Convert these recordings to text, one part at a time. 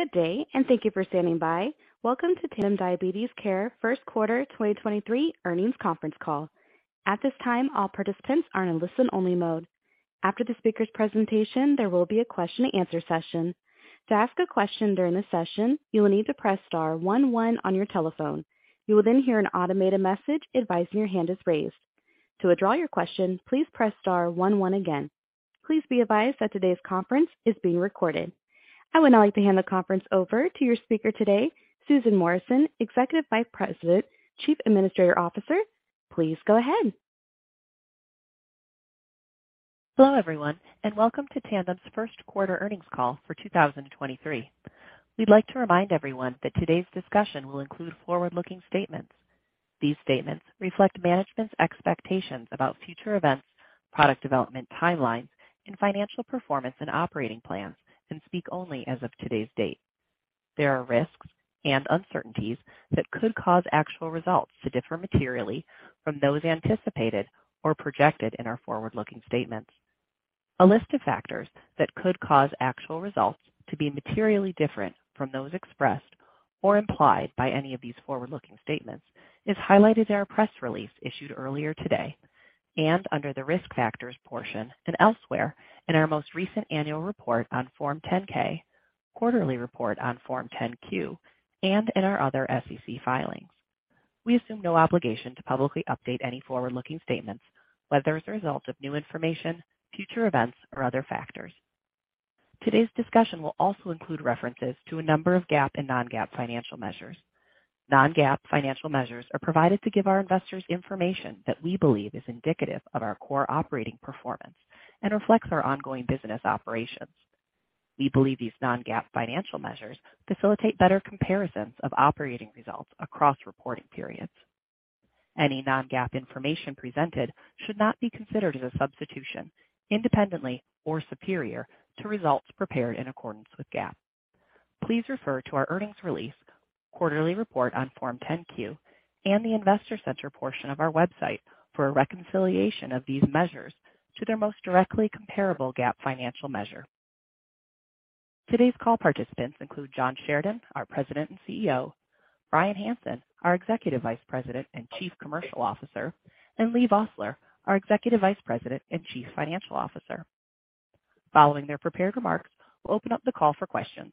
Good day. Thank you for standing by. Welcome to Tandem Diabetes Care first quarter 2023 earnings conference call. At this time, all participants are in listen-only mode. After the speaker's presentation, there will be a question and answer session. To ask a question during this session, you will need to press star one one on your telephone. You will hear an automated message advising your hand is raised. To withdraw your question, please press star one one again. Please be advised that today's conference is being recorded. I would now like to hand the conference over to your speaker today, Susan Morrison, Executive Vice President, Chief Administrative Officer. Please go ahead. Hello, everyone, welcome to Tandem's first quarter earnings call for 2023. We'd like to remind everyone that today's discussion will include forward-looking statements. These statements reflect management's expectations about future events, product development timelines, and financial performance and operating plans and speak only as of today's date. There are risks and uncertainties that could cause actual results to differ materially from those anticipated or projected in our forward-looking statements. A list of factors that could cause actual results to be materially different from those expressed or implied by any of these forward-looking statements is highlighted in our press release issued earlier today and under the Risk Factors portion and elsewhere in our most recent annual report on Form 10-K, quarterly report on Form 10-Q, and in our other SEC filings. We assume no obligation to publicly update any forward-looking statements, whether as a result of new information, future events, or other factors. Today's discussion will also include references to a number of GAAP and non-GAAP financial measures. Non-GAAP financial measures are provided to give our investors information that we believe is indicative of our core operating performance and reflects our ongoing business operations. We believe these non-GAAP financial measures facilitate better comparisons of operating results across reporting periods. Any non-GAAP information presented should not be considered as a substitution, independently or superior, to results prepared in accordance with GAAP. Please refer to our earnings release, quarterly report on Form 10-Q, and the investor center portion of our website for a reconciliation of these measures to their most directly comparable GAAP financial measure. Today's call participants include John Sheridan, our President and CEO; Brian Hansen, our Executive Vice President and Chief Commercial Officer; and Leigh Vosseller, our Executive Vice President and Chief Financial Officer. Following their prepared remarks, we'll open up the call for questions.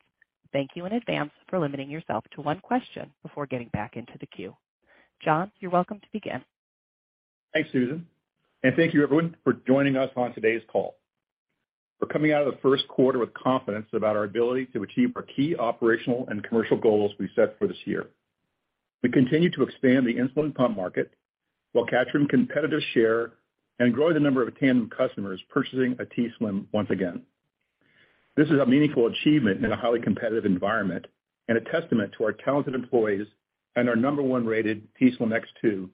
Thank you in advance for limiting yourself to one question before getting back into the queue. John, you're welcome to begin. Thanks, Susan, and thank you everyone for joining us on today's call. We're coming out of the first quarter with confidence about our ability to achieve our key operational and commercial goals we set for this year. We continue to expand the insulin pump market while capturing competitive share and growing the number of Tandem customers purchasing a t:slim once again. This is a meaningful achievement in a highly competitive environment and a testament to our talented employees and our number one rated t:slim X2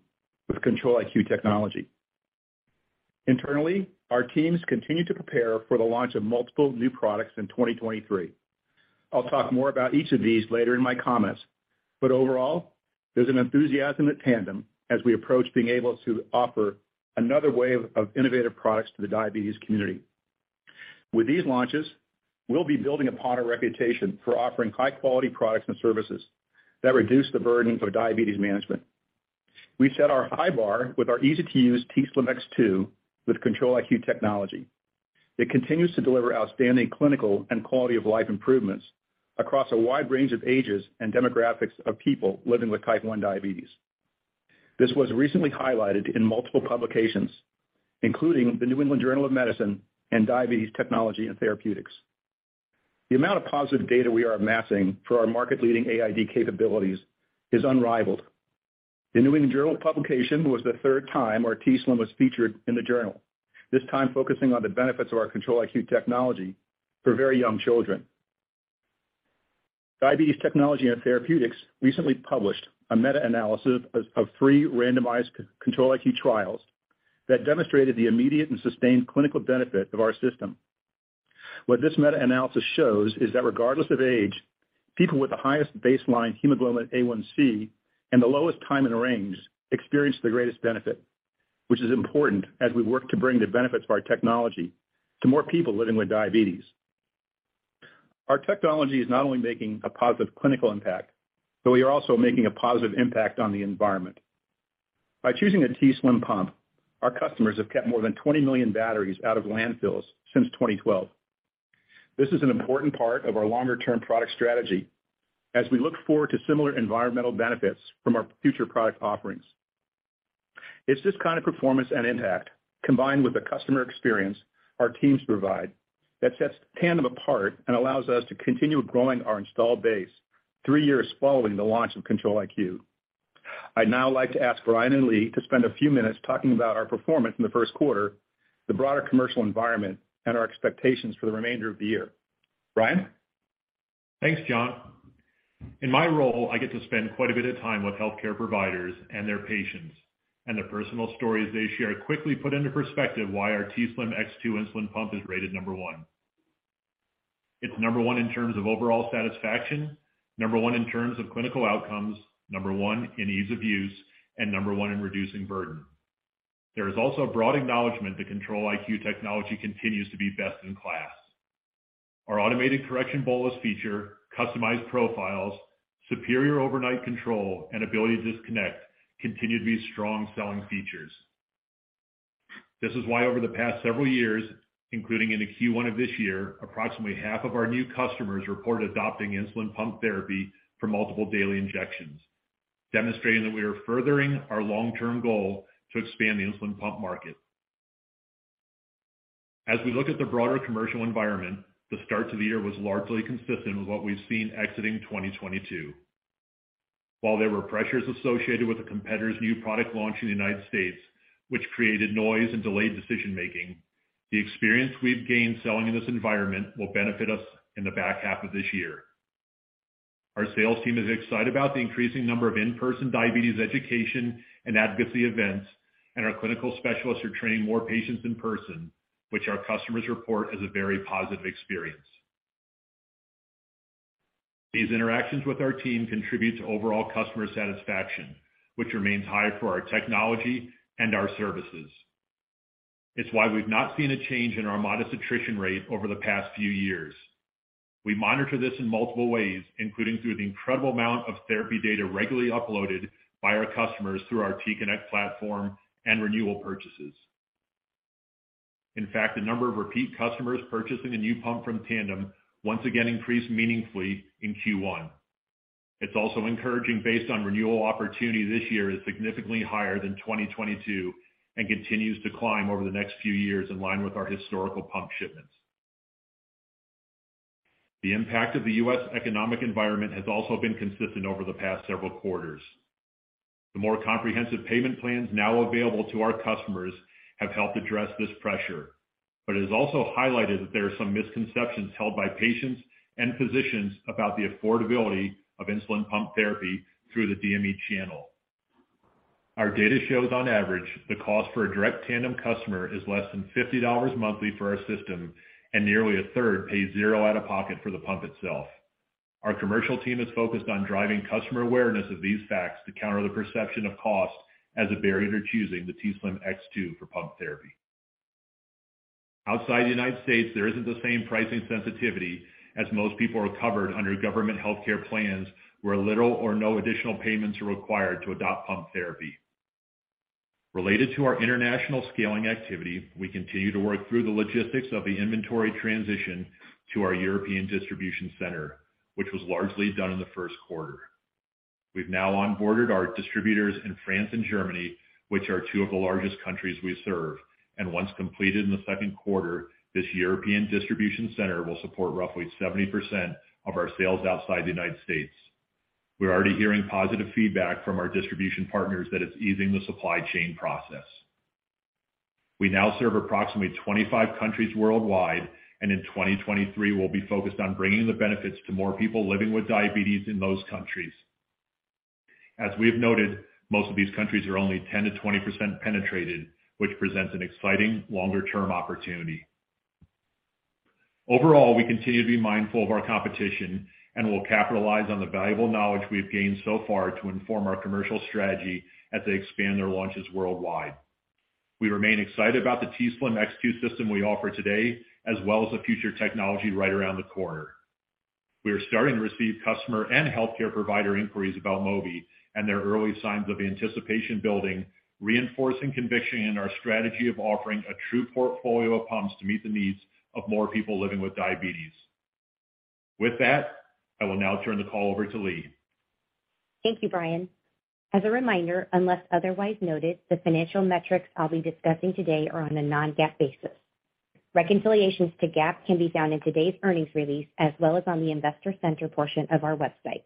with Control-IQ Technology. Internally, our teams continue to prepare for the launch of multiple new products in 2023. I'll talk more about each of these later in my comments, but overall, there's an enthusiasm at Tandem as we approach being able to offer another wave of innovative products to the diabetes community. With these launches, we'll be building upon our reputation for offering high-quality products and services that reduce the burden for diabetes management. We set our high bar with our easy-to-use t:slim X2 with Control-IQ technology. It continues to deliver outstanding clinical and quality of life improvements across a wide range of ages and demographics of people living with type 1 diabetes. This was recently highlighted in multiple publications, including the New England Journal of Medicine and Diabetes Technology & Therapeutics. The amount of positive data we are amassing for our market-leading AID capabilities is unrivaled. The New England Journal publication was the third time our t:slim was featured in the journal, this time focusing on the benefits of our Control-IQ technology for very young children. Diabetes Technology & Therapeutics recently published a meta-analysis of three randomized Control-IQ trials that demonstrated the immediate and sustained clinical benefit of our system. What this meta-analysis shows is that regardless of age, people with the highest baseline hemoglobin A1c and the lowest time in range experienced the greatest benefit, which is important as we work to bring the benefits of our technology to more people living with diabetes. Our technology is not only making a positive clinical impact, but we are also making a positive impact on the environment. By choosing a t:slim pump, our customers have kept more than 20 million batteries out of landfills since 2012. This is an important part of our longer-term product strategy as we look forward to similar environmental benefits from our future product offerings. It's this kind of performance and impact, combined with the customer experience our teams provide, that sets Tandem apart and allows us to continue growing our installed base three years following the launch of Control-IQ. I'd now like to ask Brian and Leigh to spend a few minutes talking about our performance in the first quarter, the broader commercial environment, and our expectations for the remainder of the year. Brian? Thanks, John. In my role, I get to spend quite a bit of time with healthcare providers and their patients, and the personal stories they share quickly put into perspective why our t:slim X2 insulin pump is rated number one. It's number one in terms of overall satisfaction, number one in terms of clinical outcomes, number one in ease of use, and number one in reducing burden. There is also a broad acknowledgement that Control-IQ technology continues to be best in class. Our automated correction bolus feature, customized profiles, superior overnight control, and ability to disconnect continue to be strong selling features. This is why over the past several years, including into Q1 of this year, approximately half of our new customers reported adopting insulin pump therapy for multiple daily injections, demonstrating that we are furthering our long-term goal to expand the insulin pump market. As we look at the broader commercial environment, the start to the year was largely consistent with what we've seen exiting 2022. While there were pressures associated with a competitor's new product launch in the United States, which created noise and delayed decision-making, the experience we've gained selling in this environment will benefit us in the back half of this year. Our sales team is excited about the increasing number of in-person diabetes education and advocacy events, and our clinical specialists are training more patients in person, which our customers report as a very positive experience. These interactions with our team contribute to overall customer satisfaction, which remains high for our technology and our services. It's why we've not seen a change in our modest attrition rate over the past few years. We monitor this in multiple ways, including through the incredible amount of therapy data regularly uploaded by our customers through our t:connect platform and renewal purchases. In fact, the number of repeat customers purchasing a new pump from Tandem once again increased meaningfully in Q1. It's also encouraging based on renewal opportunity this year is significantly higher than 2022 and continues to climb over the next few years in line with our historical pump shipments. The impact of the U.S. economic environment has also been consistent over the past several quarters. The more comprehensive payment plans now available to our customers have helped address this pressure, but it has also highlighted that there are some misconceptions held by patients and physicians about the affordability of insulin pump therapy through the DME channel. Our data shows on average, the cost for a direct Tandem customer is less than $50 monthly for our system, and nearly 1/3 pay zero out-of-pocket for the pump itself. Our commercial team is focused on driving customer awareness of these facts to counter the perception of cost as a barrier to choosing the t:slim X2 for pump therapy. Outside the United States, there isn't the same pricing sensitivity as most people are covered under government healthcare plans, where little or no additional payments are required to adopt pump therapy. Related to our international scaling activity, we continue to work through the logistics of the inventory transition to our European distribution center, which was largely done in the first quarter. We've now onboarded our distributors in France and Germany, which are two of the largest countries we serve. Once completed in the second quarter, this European distribution center will support roughly 70% of our sales outside the United States. We're already hearing positive feedback from our distribution partners that it's easing the supply chain process. We now serve approximately 25 countries worldwide, in 2023, we'll be focused on bringing the benefits to more people living with diabetes in those countries. As we have noted, most of these countries are only 10%-20% penetrated, which presents an exciting longer-term opportunity. Overall, we continue to be mindful of our competition and will capitalize on the valuable knowledge we have gained so far to inform our commercial strategy as they expand their launches worldwide. We remain excited about the t:slim X2 system we offer today, as well as the future technology right around the corner. We are starting to receive customer and healthcare provider inquiries about Mobi and there are early signs of anticipation building, reinforcing conviction in our strategy of offering a true portfolio of pumps to meet the needs of more people living with diabetes. With that, I will now turn the call over to Leigh. Thank you, Brian. As a reminder, unless otherwise noted, the financial metrics I'll be discussing today are on a non-GAAP basis. Reconciliations to GAAP can be found in today's earnings release as well as on the investor center portion of our website.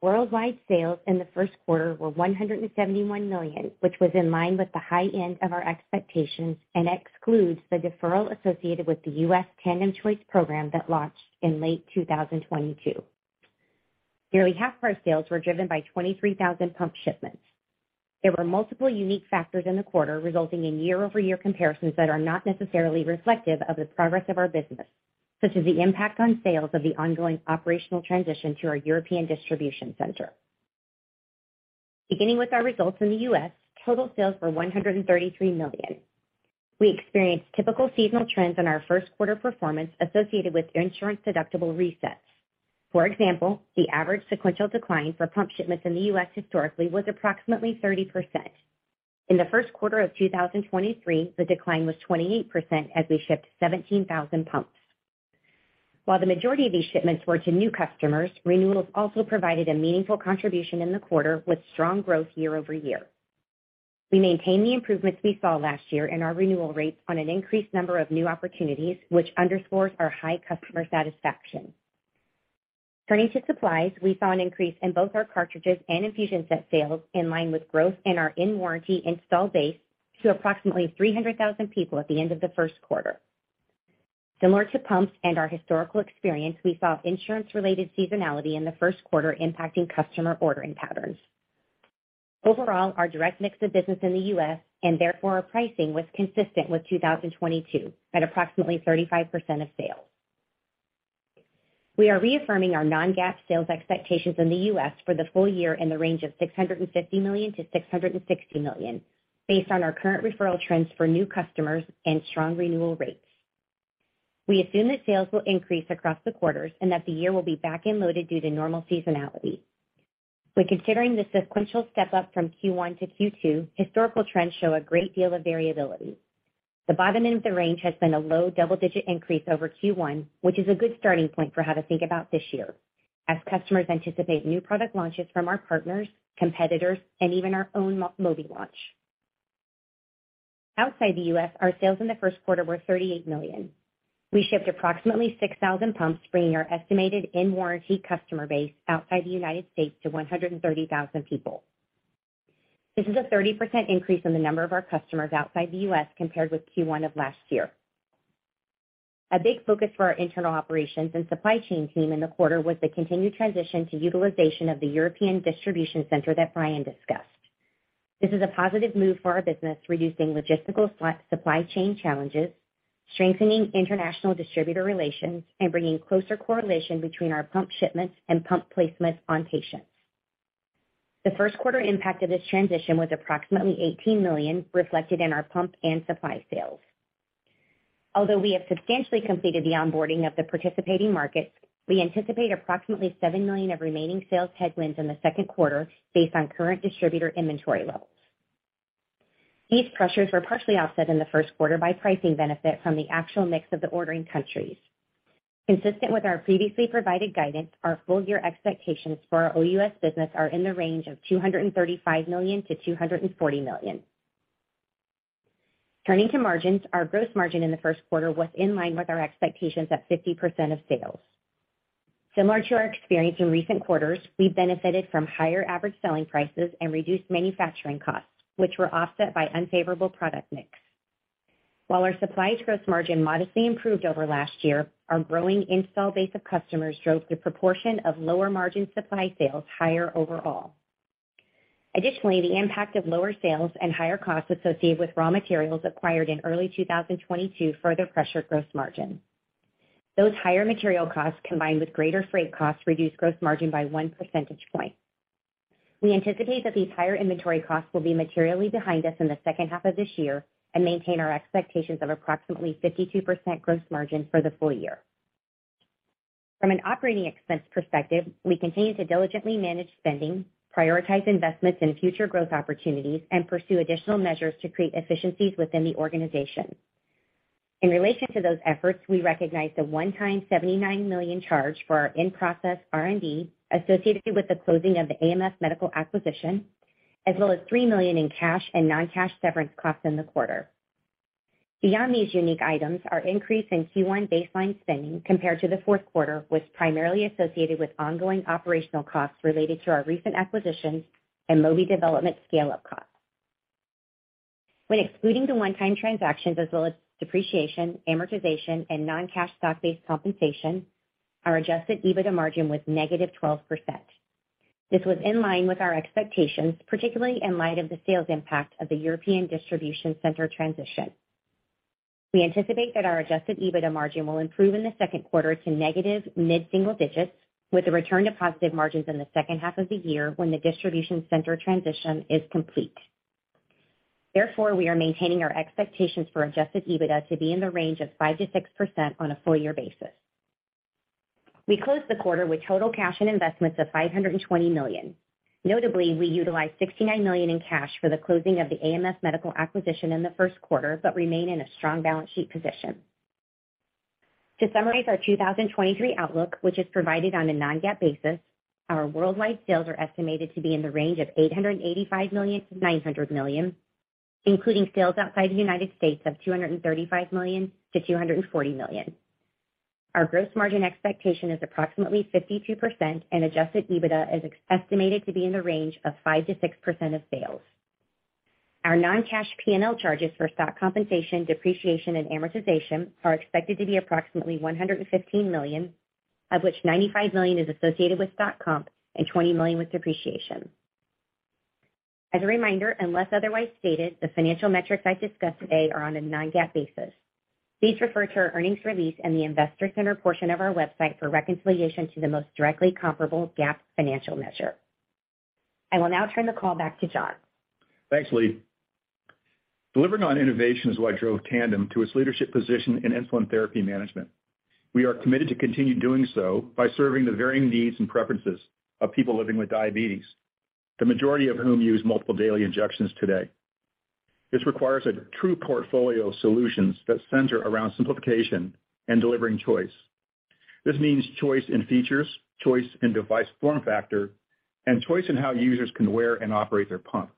Worldwide sales in the first quarter were $171 million, which was in line with the high end of our expectations and excludes the deferral associated with the U.S. Tandem Choice program that launched in late 2022. Nearly half of our sales were driven by 23,000 pump shipments. There were multiple unique factors in the quarter resulting in year-over-year comparisons that are not necessarily reflective of the progress of our business, such as the impact on sales of the ongoing operational transition to our European distribution center. Beginning with our results in the U.S., total sales were $133 million. We experienced typical seasonal trends in our first quarter performance associated with insurance deductible resets. For example, the average sequential decline for pump shipments in the U.S. historically was approximately 30%. In the first quarter of 2023, the decline was 28% as we shipped 17,000 pumps. While the majority of these shipments were to new customers, renewals also provided a meaningful contribution in the quarter, with strong growth year-over-year. We maintained the improvements we saw last year in our renewal rates on an increased number of new opportunities, which underscores our high customer satisfaction. Turning to supplies, we saw an increase in both our cartridges and infusion set sales in line with growth in our in-warranty installed base to approximately 300,000 people at the end of the first quarter. Similar to pumps and our historical experience, we saw insurance-related seasonality in the first quarter impacting customer ordering patterns. Overall, our direct mix of business in the U.S., and therefore our pricing, was consistent with 2022 at approximately 35% of sales. We are reaffirming our non-GAAP sales expectations in the U.S. for the full year in the range of $650 million-$660 million based on our current referral trends for new customers and strong renewal rates. We assume that sales will increase across the quarters and that the year will be back-end loaded due to normal seasonality. When considering the sequential step-up from Q1 to Q2, historical trends show a great deal of variability. The bottom end of the range has been a low double-digit increase over Q1, which is a good starting point for how to think about this year as customers anticipate new product launches from our partners, competitors, and even our own Mobi launch. Outside the U.S., our sales in the first quarter were $38 million. We shipped approximately 6,000 pumps, bringing our estimated in-warranty customer base outside the United States to 130,000 people. This is a 30% increase in the number of our customers outside the U.S. compared with Q1 of last year. A big focus for our internal operations and supply chain team in the quarter was the continued transition to utilization of the European distribution center that Brian discussed. This is a positive move for our business, reducing logistical supply chain challenges, strengthening international distributor relations, and bringing closer correlation between our pump shipments and pump placements on patients. The first quarter impact of this transition was approximately $18 million, reflected in our pump and supply sales. Although we have substantially completed the onboarding of the participating markets, we anticipate approximately $7 million of remaining sales headwinds in the second quarter based on current distributor inventory levels. These pressures were partially offset in the first quarter by pricing benefit from the actual mix of the ordering countries. Consistent with our previously provided guidance, our full year expectations for our OUS business are in the range of $235 million-$240 million. Turning to margins, our gross margin in the first quarter was in line with our expectations at 50% of sales. Similar to our experience in recent quarters, we benefited from higher average selling prices and reduced manufacturing costs, which were offset by unfavorable product mix. While our supply gross margin modestly improved over last year, our growing install base of customers drove the proportion of lower margin supply sales higher overall. Additionally, the impact of lower sales and higher costs associated with raw materials acquired in early 2022 further pressured gross margin. Those higher material costs, combined with greater freight costs, reduced gross margin by 1 percentage point. We anticipate that these higher inventory costs will be materially behind us in the second half of this year and maintain our expectations of approximately 52% gross margin for the full year. From an operating expense perspective, we continue to diligently manage spending, prioritize investments in future growth opportunities, and pursue additional measures to create efficiencies within the organization. In relation to those efforts, we recognize the one-time $79 million charge for our in-process R&D associated with the closing of the AMF Medical acquisition, as well as $3 million in cash and non-cash severance costs in the quarter. Beyond these unique items, our increase in Q1 baseline spending compared to the fourth quarter was primarily associated with ongoing operational costs related to our recent acquisitions and Mobi development scale-up costs. When excluding the one-time transactions, as well as depreciation, amortization, and non-cash stock-based compensation, our adjusted EBITDA margin was -12%. This was in line with our expectations, particularly in light of the sales impact of the European distribution center transition. We anticipate that our adjusted EBITDA margin will improve in the second quarter to negative mid-single digits with a return to positive margins in the second half of the year when the distribution center transition is complete. Therefore, we are maintaining our expectations for adjusted EBITDA to be in the range of 5%-6% on a full year basis. We closed the quarter with total cash and investments of $520 million. Notably, we utilized $69 million in cash for the closing of the AMF Medical acquisition in the first quarter, but remain in a strong balance sheet position. To summarize our 2023 outlook, which is provided on a non-GAAP basis, our worldwide sales are estimated to be in the range of $885 million-$900 million, including sales outside the United States of $235 million-$240 million. Our gross margin expectation is approximately 52%, and adjusted EBITDA is estimated to be in the range of 5%-6% of sales. Our non-cash P&L charges for stock compensation, depreciation, and amortization are expected to be approximately $115 million, of which $95 million is associated with stock comp and $20 million with depreciation. As a reminder, unless otherwise stated, the financial metrics I've discussed today are on a non-GAAP basis. Please refer to our earnings release in the investor center portion of our website for reconciliation to the most directly comparable GAAP financial measure. I will now turn the call back to John. Thanks, Leigh. Delivering on innovation is what drove Tandem to its leadership position in insulin therapy management. We are committed to continue doing so by serving the varying needs and preferences of people living with diabetes, the majority of whom use multiple daily injections today. This requires a true portfolio of solutions that center around simplification and delivering choice. This means choice in features, choice in device form factor, and choice in how users can wear and operate their pump.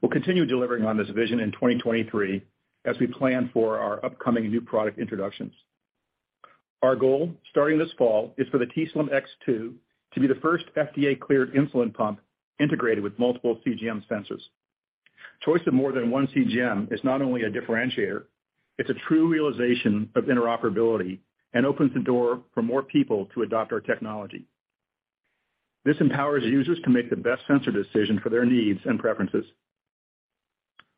We'll continue delivering on this vision in 2023 as we plan for our upcoming new product introductions. Our goal, starting this fall, is for the t:slim X2 to be the first FDA-cleared insulin pump integrated with multiple CGM sensors. Choice of more than one CGM is not only a differentiator, it's a true realization of interoperability and opens the door for more people to adopt our technology. This empowers users to make the best sensor decision for their needs and preferences.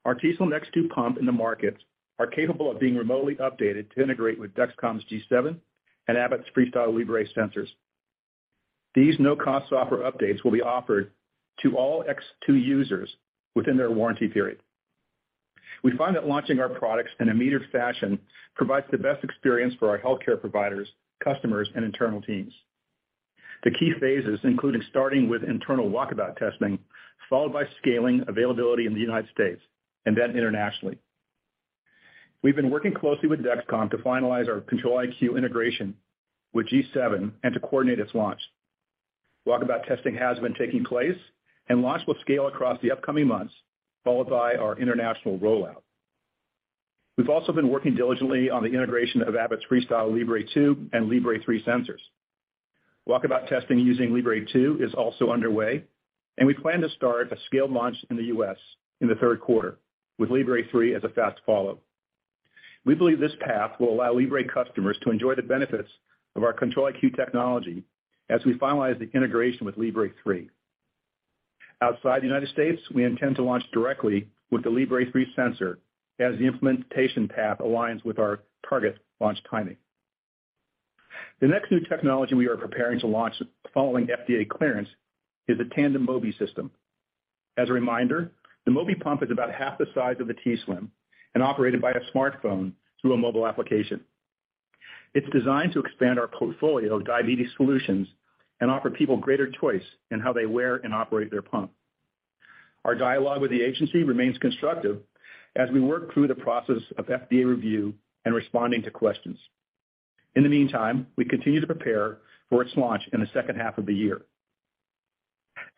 Our t:slim X2 pump in the markets are capable of being remotely updated to integrate with Dexcom's G7 and Abbott's FreeStyle Libre sensors. These no-cost software updates will be offered to all X2 users within their warranty period. We find that launching our products in a metered fashion provides the best experience for our healthcare providers, customers, and internal teams. The key phases, including starting with internal walkabout testing, followed by scaling availability in the United States and then internationally. We've been working closely with Dexcom to finalize our Control-IQ integration with G7 and to coordinate its launch. Walkabout testing has been taking place. Launch will scale across the upcoming months, followed by our international rollout. We've also been working diligently on the integration of Abbott's FreeStyle Libre 2 and Libre 3 sensors. Walkabout testing using Libre 2 is also underway. We plan to start a scaled launch in the U.S. in the third quarter with Libre 3 as a fast follow. We believe this path will allow Libre customers to enjoy the benefits of our Control-IQ technology as we finalize the integration with Libre 3. Outside the United States, we intend to launch directly with the Libre 3 sensor as the implementation path aligns with our target launch timing. The next new technology we are preparing to launch following FDA clearance is a Tandem Mobi system. As a reminder, the Mobi pump is about half the size of the t:slim and operated by a smartphone through a mobile application. It's designed to expand our portfolio of diabetes solutions and offer people greater choice in how they wear and operate their pump. Our dialogue with the agency remains constructive as we work through the process of FDA review and responding to questions. In the meantime, we continue to prepare for its launch in the second half of the year.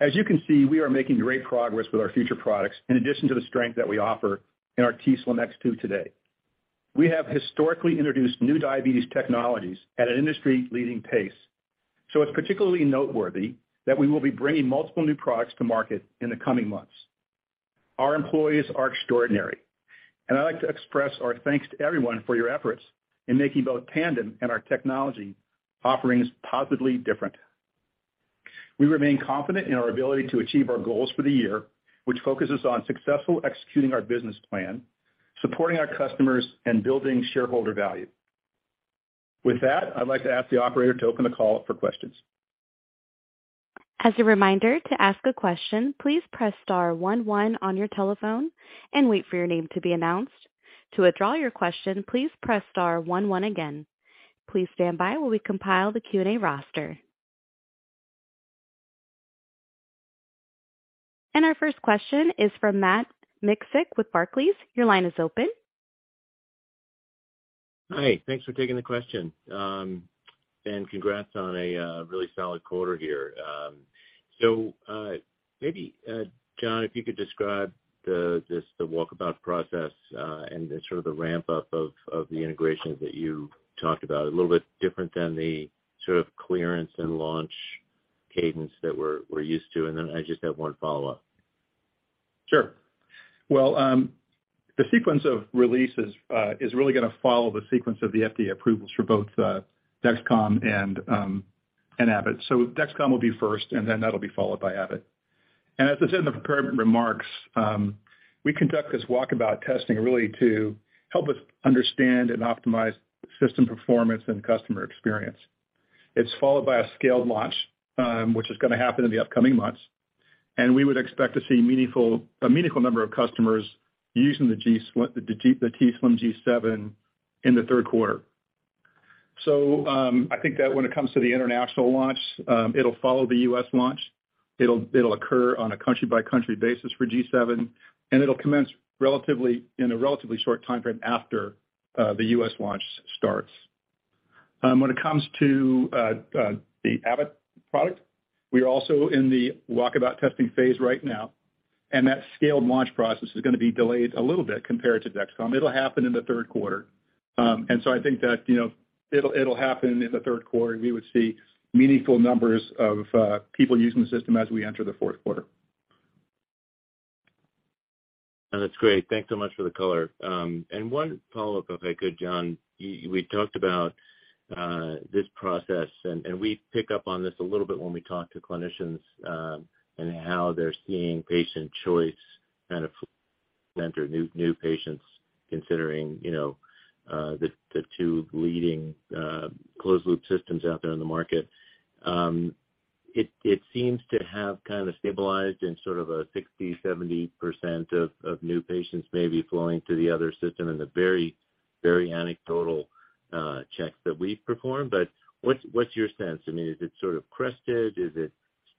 As you can see, we are making great progress with our future products in addition to the strength that we offer in our t:slim X2 today. We have historically introduced new diabetes technologies at an industry-leading pace, so it's particularly noteworthy that we will be bringing multiple new products to market in the coming months. Our employees are extraordinary, and I'd like to express our thanks to everyone for your efforts in making both Tandem and our technology offerings positively different. We remain confident in our ability to achieve our goals for the year, which focuses on successfully executing our business plan, supporting our customers, and building shareholder value. With that, I'd like to ask the operator to open the call up for questions. As a reminder, to ask a question, please press star one one on your telephone and wait for your name to be announced. To withdraw your question, please press star one one again. Please stand by while we compile the Q&A roster. Our first question is from Matt Miksic with Barclays. Your line is open. Hi. Thanks for taking the question. Congrats on a really solid quarter here. Maybe John, if you could describe the walkabout process, and the sort of the ramp-up of the integrations that you talked about, a little bit different than the sort of clearance and launch cadence that we're used to. I just have one follow-up. Sure. Well, the sequence of releases is really going to follow the sequence of the FDA approvals for both Dexcom and Abbott. Dexcom will be first, and then that'll be followed by Abbott. As I said in the prepared remarks, we conduct this walkabout testing really to help us understand and optimize system performance and customer experience. It's followed by a scaled launch, which is going to happen in the upcoming months, and we would expect to see a meaningful number of customers using the t:slim G7 in the third quarter. I think that when it comes to the international launch, it'll follow the U.S. launch. It'll occur on a country-by-country basis for G7, and it'll commence in a relatively short timeframe after the U.S. launch starts. When it comes to the Abbott product, we are also in the walkabout testing phase right now, and that scaled launch process is gonna be delayed a little bit compared to Dexcom. It'll happen in the third quarter. I think that, you know, it'll happen in the third quarter. We would see meaningful numbers of people using the system as we enter the fourth quarter. That's great. Thanks so much for the color. One follow-up, if I could, John. We talked about this process, and we pick up on this a little bit when we talk to clinicians, and how they're seeing patient choice kind of center new patients considering, you know, the two leading closed loop systems out there in the market. It seems to have kind of stabilized in sort of a 60%-70% of new patients maybe flowing to the other system in the very anecdotal checks that we've performed. What's your sense? I mean, is it sort of crested? Is it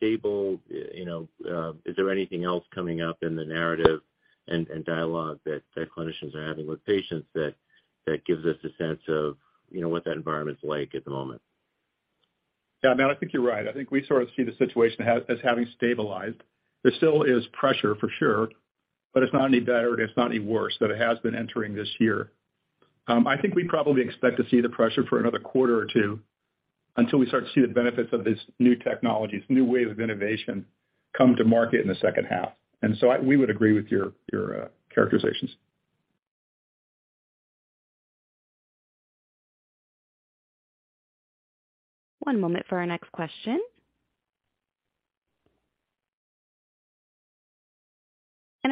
stable? You know, is there anything else coming up in the narrative and dialogue that clinicians are having with patients that gives us a sense of, you know, what that environment's like at the moment? Yeah. Matt, I think you're right. I think we sort of see the situation as having stabilized. There still is pressure, for sure, but it's not any better and it's not any worse than it has been entering this year. I think we probably expect to see the pressure for another quarter or two until we start to see the benefits of these new technologies, new waves of innovation come to market in the second half. We would agree with your characterizations. One moment for our next question.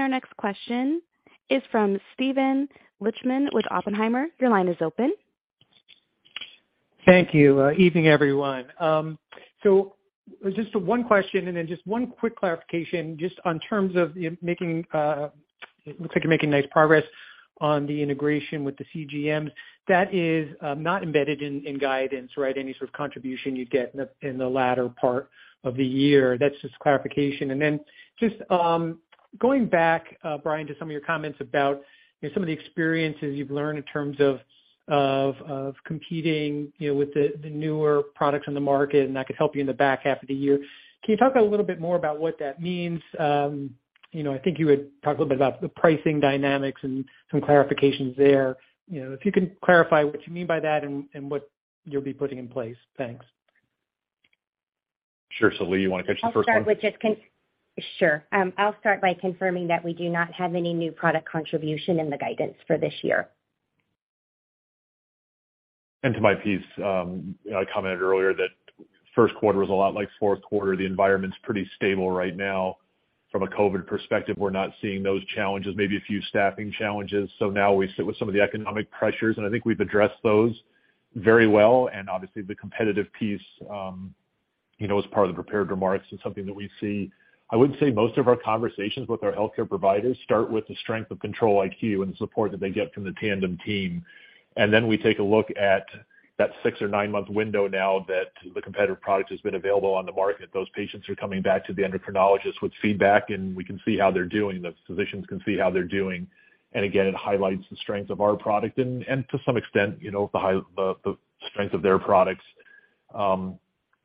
Our next question is from Steven Lichtman with Oppenheimer. Your line is open. Thank you. Evening, everyone. Just one question and then just one quick clarification just on terms of making, it looks like you're making nice progress on the integration with the CGM. That is not embedded in guidance, right? Any sort of contribution you'd get in the latter part of the year. That's just clarification. Just going back, Brian, to some of your comments about some of the experiences you've learned in terms of competing, you know, with the newer products on the market, and that could help you in the back half of the year. Can you talk a little bit more about what that means? You know, I think you had talked a little bit about the pricing dynamics and some clarifications there. You know, if you can clarify what you mean by that and what you'll be putting in place. Thanks. Sure. Leigh, you want to catch the first one? I'll start with just Sure. I'll start by confirming that we do not have any new product contribution in the guidance for this year. To my piece, I commented earlier that first quarter was a lot like fourth quarter. The environment's pretty stable right now from a COVID perspective. We're not seeing those challenges, maybe a few staffing challenges. Now we sit with some of the economic pressures, and I think we've addressed those very well. Obviously the competitive piece, you know, as part of the prepared remarks is something that we see. I would say most of our conversations with our healthcare providers start with the strength of Control-IQ and the support that they get from the Tandem team. We take a look at that six or nine-month window now that the competitive product has been available on the market. Those patients are coming back to the endocrinologist with feedback, and we can see how they're doing. The physicians can see how they're doing. Again, it highlights the strengths of our product and to some extent, you know, the strength of their products.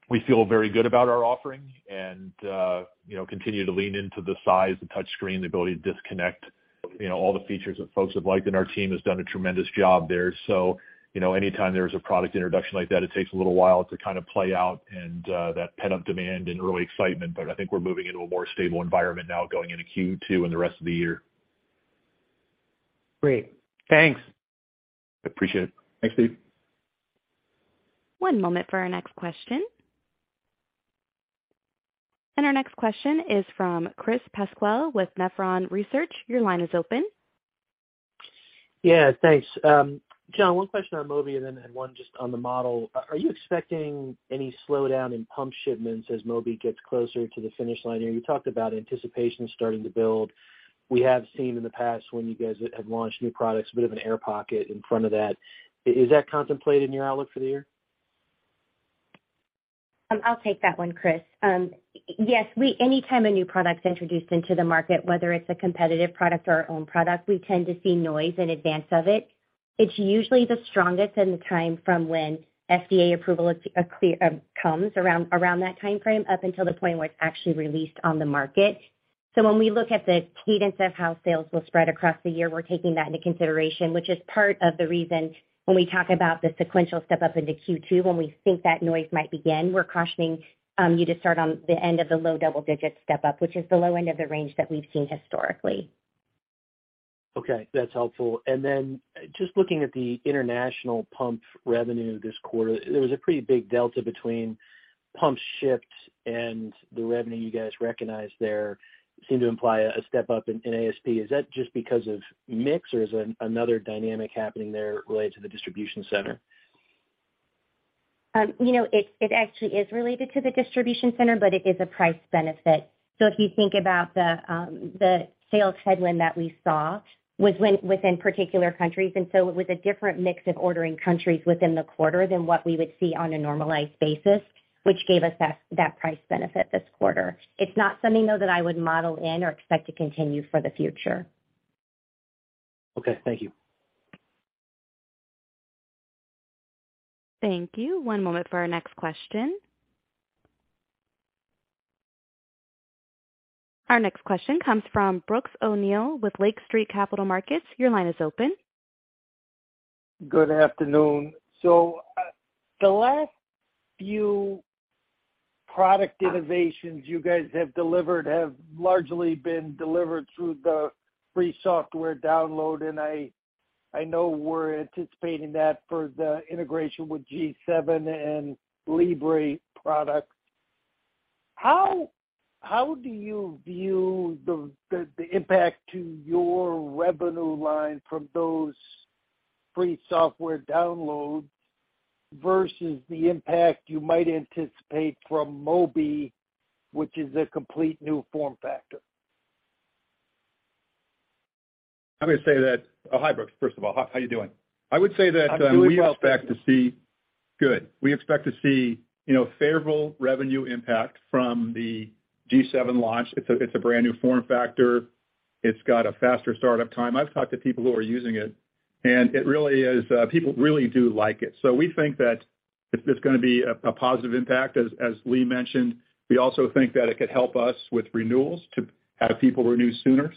We feel very good about our offering and, you know, continue to lean into the size, the touch screen, the ability to disconnect, you know, all the features that folks have liked. Our team has done a tremendous job there. You know, anytime there's a product introduction like that, it takes a little while to kind of play out and that pent-up demand and early excitement. I think we're moving into a more stable environment now going into Q2 and the rest of the year. Great. Thanks. Appreciate it. Thanks, Steve. One moment for our next question. Our next question is from Chris Pasquale with Nephron Research. Your line is open. Yeah, thanks. John, one question on Mobi and then, and one just on the model. Are you expecting any slowdown in pump shipments as Mobi gets closer to the finish line? You talked about anticipation starting to build. We have seen in the past when you guys have launched new products, a bit of an air pocket in front of that. Is that contemplated in your outlook for the year? I'll take that one, Chris. Yes, anytime a new product is introduced into the market, whether it's a competitive product or our own product, we tend to see noise in advance of it. It's usually the strongest in the time from when FDA approval is clear, comes around that timeframe, up until the point where it's actually released on the market. When we look at the cadence of how sales will spread across the year, we're taking that into consideration, which is part of the reason when we talk about the sequential step-up into Q2, when we think that noise might begin, we're cautioning you to start on the end of the low double-digit step-up, which is the low end of the range that we've seen historically. Okay, that's helpful. Just looking at the international pump revenue this quarter, there was a pretty big delta between pumps shipped and the revenue you guys recognized there seemed to imply a step-up in ASP. Is that just because of mix, or is another dynamic happening there related to the distribution center? You know, it actually is related to the distribution center, but it is a price benefit. If you think about the sales headwind that we saw was when within particular countries. It was a different mix of ordering countries within the quarter than what we would see on a normalized basis, which gave us that price benefit this quarter. It's not something, though, that I would model in or expect to continue for the future. Okay, thank you. Thank you. One moment for our next question. Our next question comes from Brooks O'Neil with Lake Street Capital Markets. Your line is open. Good afternoon. The last few product innovations you guys have delivered have largely been delivered through the free software download. I know we're anticipating that for the integration with G7 and Libre products. How do you view the impact to your revenue line from those free software downloads versus the impact you might anticipate from Mobi, which is a complete new form factor? I'm gonna say that... Oh, hi, Brooks. First of all, how you doing? I'm doing well. I would say that, Good. We expect to see, you know, favorable revenue impact from the G7 launch. It's a brand new form factor. It's got a faster startup time. I've talked to people who are using it really is, people really do like it. We think that it's gonna be a positive impact, as Leigh mentioned. We also think that it could help us with renewals to have people renew sooner.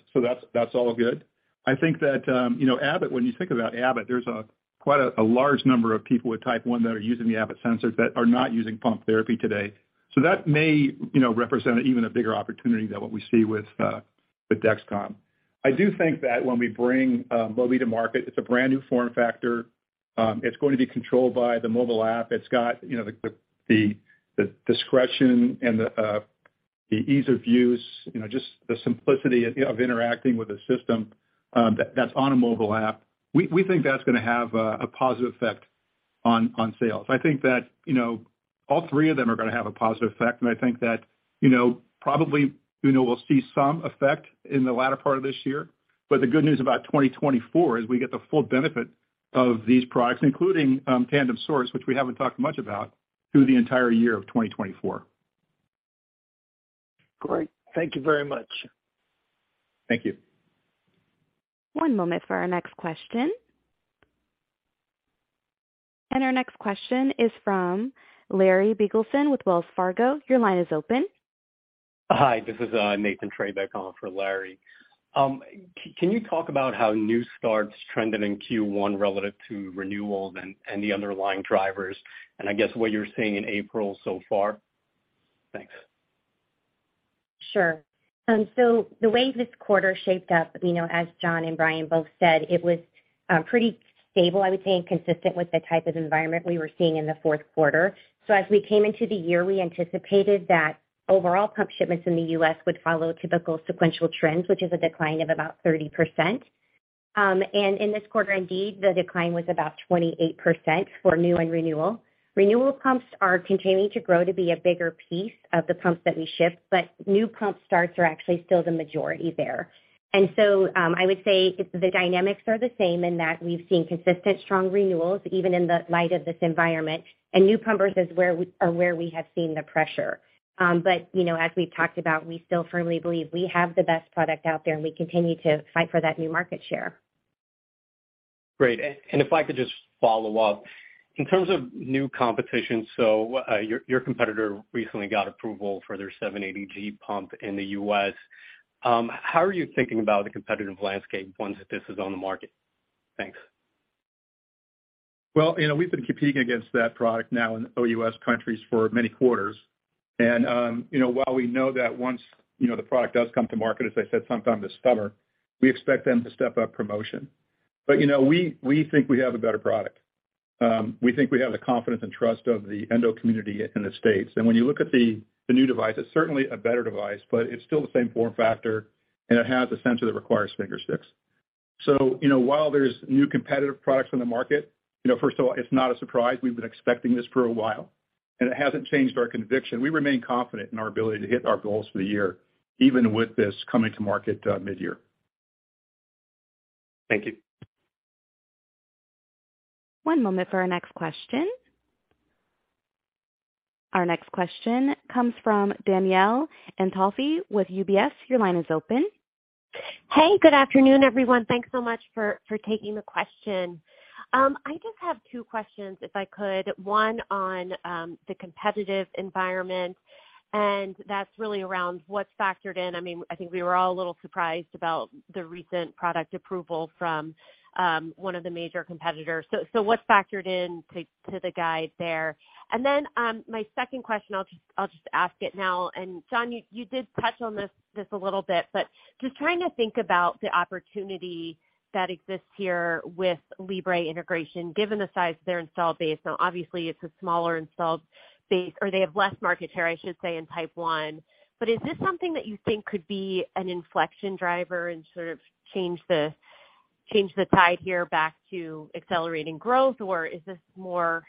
That's all good. I think that, you know, Abbott, when you think about Abbott, there's a quite a large number of people with Type 1 that are using the Abbott sensors that are not using pump therapy today. That may, you know, represent an even a bigger opportunity than what we see with. The Dexcom. I do think that when we bring Mobi to market, it's a brand-new form factor. It's going to be controlled by the mobile app. It's got, you know, the discretion and the ease of use, you know, just the simplicity of interacting with a system, that's on a mobile app. We think that's gonna have a positive effect on sales. I think that, you know, all three of them are gonna have a positive effect, and I think that, you know, probably, you know, we'll see some effect in the latter part of this year. The good news about 2024 is we get the full benefit of these products, including Tandem Source, which we haven't talked much about, through the entire year of 2024. Great. Thank you very much. Thank you. One moment for our next question. Our next question is from Larry Biegelsen with Wells Fargo. Your line is open. Hi, this is Nathan Treybeck calling for Larry. Can you talk about how new starts trended in Q1 relative to renewals and the underlying drivers? I guess what you're seeing in April so far? Thanks. Sure. The way this quarter shaped up, you know, as John and Brian both said, it was pretty stable, I would say, and consistent with the type of environment we were seeing in the fourth quarter. As we came into the year, we anticipated that overall pump shipments in the U.S. would follow typical sequential trends, which is a decline of about 30%. In this quarter, indeed, the decline was about 28% for new and renewal. Renewal pumps are continuing to grow to be a bigger piece of the pumps that we ship, but new pump starts are actually still the majority there. I would say the dynamics are the same in that we've seen consistent strong renewals, even in the light of this environment. New pumpers are where we have seen the pressure. You know, as we've talked about, we still firmly believe we have the best product out there, and we continue to fight for that new market share. Great. If I could just follow up. In terms of new competition, your competitor recently got approval for their 780G pump in the U.S. How are you thinking about the competitive landscape once this is on the market? Thanks. Well, you know, we've been competing against that product now in OUS countries for many quarters. You know, while we know that once, you know, the product does come to market, as I said, sometime this summer, we expect them to step up promotion. You know, we think we have a better product. We think we have the confidence and trust of the endo community in the States. When you look at the new device, it's certainly a better device, but it's still the same form factor, and it has a sensor that requires finger sticks. You know, while there's new competitive products on the market, first of all, it's not a surprise. We've been expecting this for a while, and it hasn't changed our conviction. We remain confident in our ability to hit our goals for the year, even with this coming to market, mid-year. Thank you. One moment for our next question. Our next question comes from Danielle Antalffy with UBS. Your line is open. Hey, good afternoon, everyone. Thanks so much for taking the question. I just have two questions, if I could. One on the competitive environment, and that's really around what's factored in. I mean, I think we were all a little surprised about the recent product approval from one of the major competitors. What's factored in to the guide there? Then, my second question, I'll just ask it now. John, you did touch on this a little bit, but just trying to think about the opportunity that exists here with Libre integration, given the size of their installed base. Obviously it's a smaller installed base, or they have less market share, I should say, in type one. Is this something that you think could be an inflection driver and sort of change the tide here back to accelerating growth? Or is this more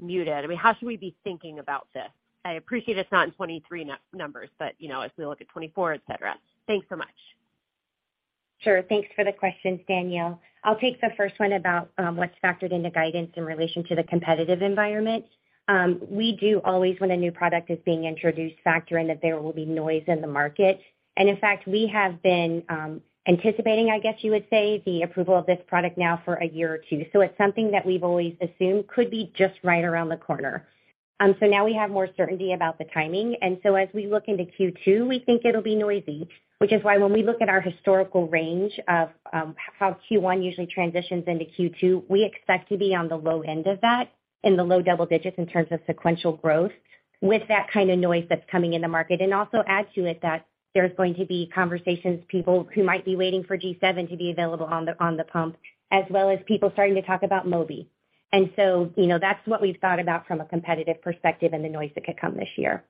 muted? I mean, how should we be thinking about this? I appreciate it's not in 23 numbers, but, you know, as we look at 24, et cetera. Thanks so much. Sure. Thanks for the questions, Danielle. I'll take the first one about what's factored into guidance in relation to the competitive environment. We do always, when a new product is being introduced, factor in that there will be noise in the market. In fact, we have been anticipating, I guess you would say, the approval of this product now for a year or two. It's something that we've always assumed could be just right around the corner. Now we have more certainty about the timing. As we look into Q2, we think it'll be noisy. Which is why when we look at our historical range of, how Q1 usually transitions into Q2, we expect to be on the low end of that, in the low double digits in terms of sequential growth, with that kind of noise that's coming in the market. Also add to it that there's going to be conversations, people who might be waiting for G7 to be available on the, on the pump, as well as people starting to talk about Mobi. You know, that's what we've thought about from a competitive perspective and the noise that could come this year.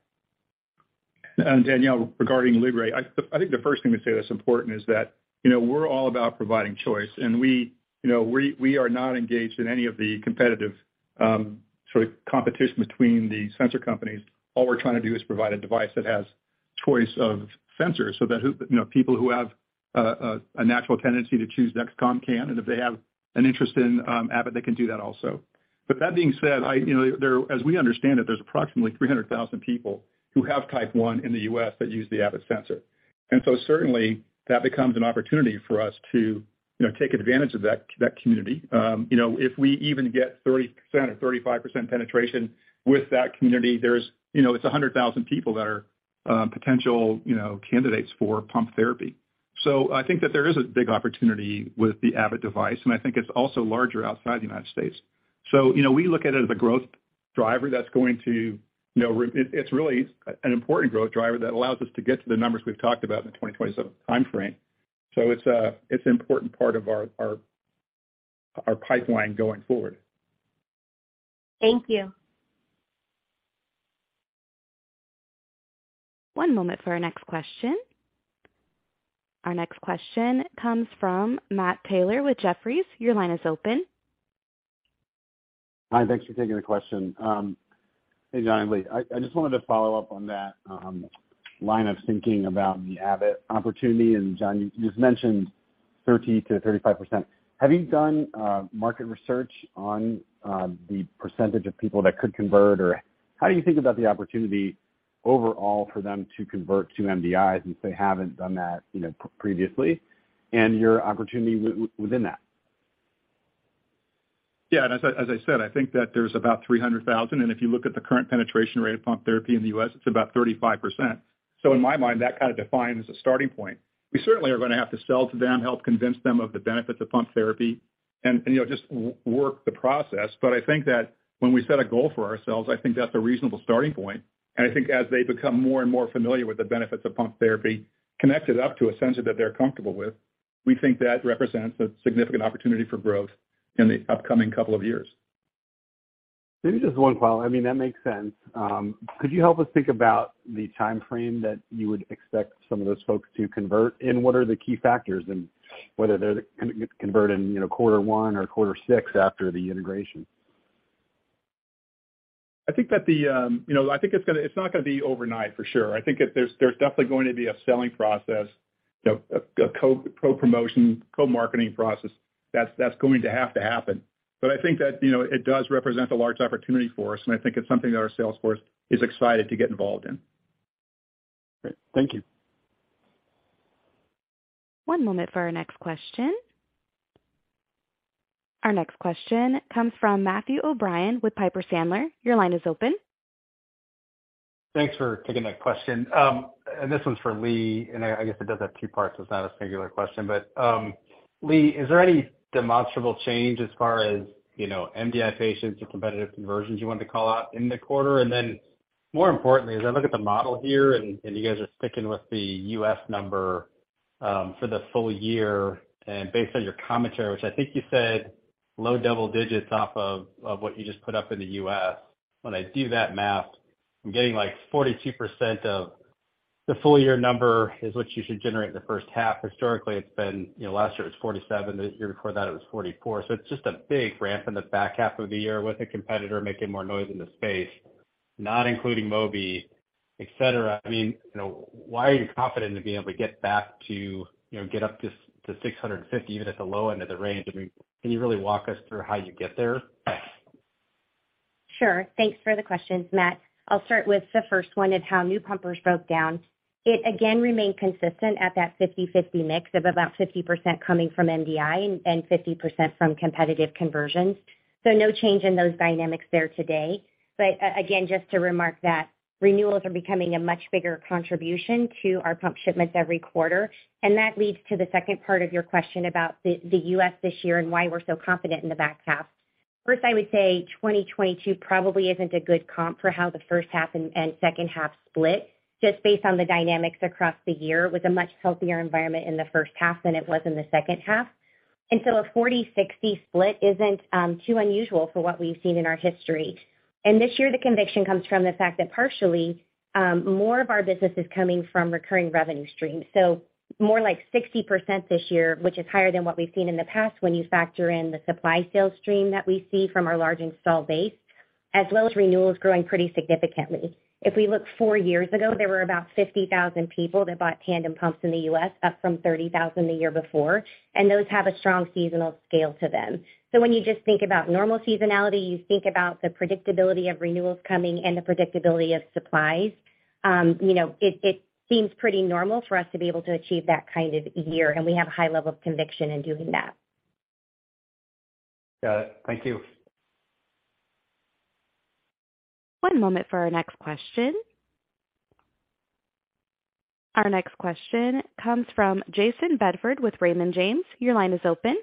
Danielle, regarding Libre, I think the first thing to say that's important is that, you know, we're all about providing choice, and we, you know, we are not engaged in any of the competitive sort of competition between the sensor companies. All we're trying to do is provide a device that has choice of sensors so that, you know, people who have a natural tendency to choose Dexcom can, and if they have an interest in Abbott, they can do that also. That being said, I, you know, as we understand it, there's approximately 300,000 people who have Type 1 in the U.S. that use the Abbott sensor. Certainly that becomes an opportunity for us to, you know, take advantage of that community. you know, if we even get 30% or 35% penetration with that community, there's, you know, it's 100,000 people that are potential, you know, candidates for pump therapy. I think that there is a big opportunity with the Abbott device, and I think it's also larger outside the United States. You know, we look at it as a growth driver that's going to, you know, it's really an important growth driver that allows us to get to the numbers we've talked about in the 2027 timeframe. It's a, it's an important part of our, our pipeline going forward. Thank you. One moment for our next question. Our next question comes from Matt Taylor with Jefferies. Your line is open. Hi, thanks for taking the question. Hey, John and Leigh. I just wanted to follow up on that line of thinking about the Abbott opportunity. John, you've mentioned 30%-35%. Have you done market research on the percentage of people that could convert? Or how do you think about the opportunity overall for them to convert to MDIs since they haven't done that, you know, previously, and your opportunity within that? Yeah. As I said, I think that there's about 300,000, and if you look at the current penetration rate of pump therapy in the U.S., it's about 35%. In my mind, that kind of defines a starting point. We certainly are gonna have to sell to them, help convince them of the benefits of pump therapy and, you know, just work the process. I think that when we set a goal for ourselves, I think that's a reasonable starting point. I think as they become more and more familiar with the benefits of pump therapy connected up to a sensor that they're comfortable with, we think that represents a significant opportunity for growth in the upcoming couple of years. Maybe just one follow-up. I mean, that makes sense. Could you help us think about the timeframe that you would expect some of those folks to convert, and what are the key factors in whether they're gonna convert in, you know, quarter one or quarter six after the integration? I think that the, you know, I think it's not gonna be overnight for sure. I think that there's definitely going to be a selling process, a co-promotion, co-marketing process that's going to have to happen. I think that, you know, it does represent a large opportunity for us, and I think it's something that our sales force is excited to get involved in. Great. Thank you. One moment for our next question. Our next question comes from Matthew O'Brien with Piper Sandler. Your line is open. Thanks for taking my question. This one's for Leigh, and I guess it does have two parts, so it's not a singular question. Leigh, is there any demonstrable change as far as, you know, MDI patients or competitive conversions you wanted to call out in the quarter? More importantly, as I look at the model here, and you guys are sticking with the U.S. number for the full year, and based on your commentary, which I think you said low double digits off of what you just put up in the U.S. When I do that math, I'm getting like 42% of the full year number is what you should generate in the first half. Historically, it's been, you know, last year it was 47, the year before that it was 44. It's just a big ramp in the back half of the year with a competitor making more noise in the space, not including Mobi, et cetera. I mean, you know, why are you confident in being able to get back to, you know, get up to 650, even at the low end of the range? I mean, can you really walk us through how you get there? Sure. Thanks for the questions, Matt. I'll start with the first one and how new pumpers broke down. It again remained consistent at that 50/50 mix of about 50% coming from MDI and 50% from competitive conversions. No change in those dynamics there today. Again, just to remark that renewals are becoming a much bigger contribution to our pump shipments every quarter. That leads to the second part of your question about the U.S. this year and why we're so confident in the back half. First, I would say 2022 probably isn't a good comp for how the first half and second half split, just based on the dynamics across the year with a much healthier environment in the first half than it was in the second half. A 40-60 split isn't too unusual for what we've seen in our history. This year, the conviction comes from the fact that partially, more of our business is coming from recurring revenue streams. More like 60% this year, which is higher than what we've seen in the past when you factor in the supply sales stream that we see from our large install base, as well as renewals growing pretty significantly. If we look four years ago, there were about 50,000 people that bought Tandem pumps in the U.S., up from 30,000 the year before, and those have a strong seasonal scale to them. When you just think about normal seasonality, you think about the predictability of renewals coming and the predictability of supplies, you know, it seems pretty normal for us to be able to achieve that kind of year, and we have a high level of conviction in doing that. Got it. Thank you. One moment for our next question. Our next question comes from Jayson Bedford with Raymond James. Your line is open.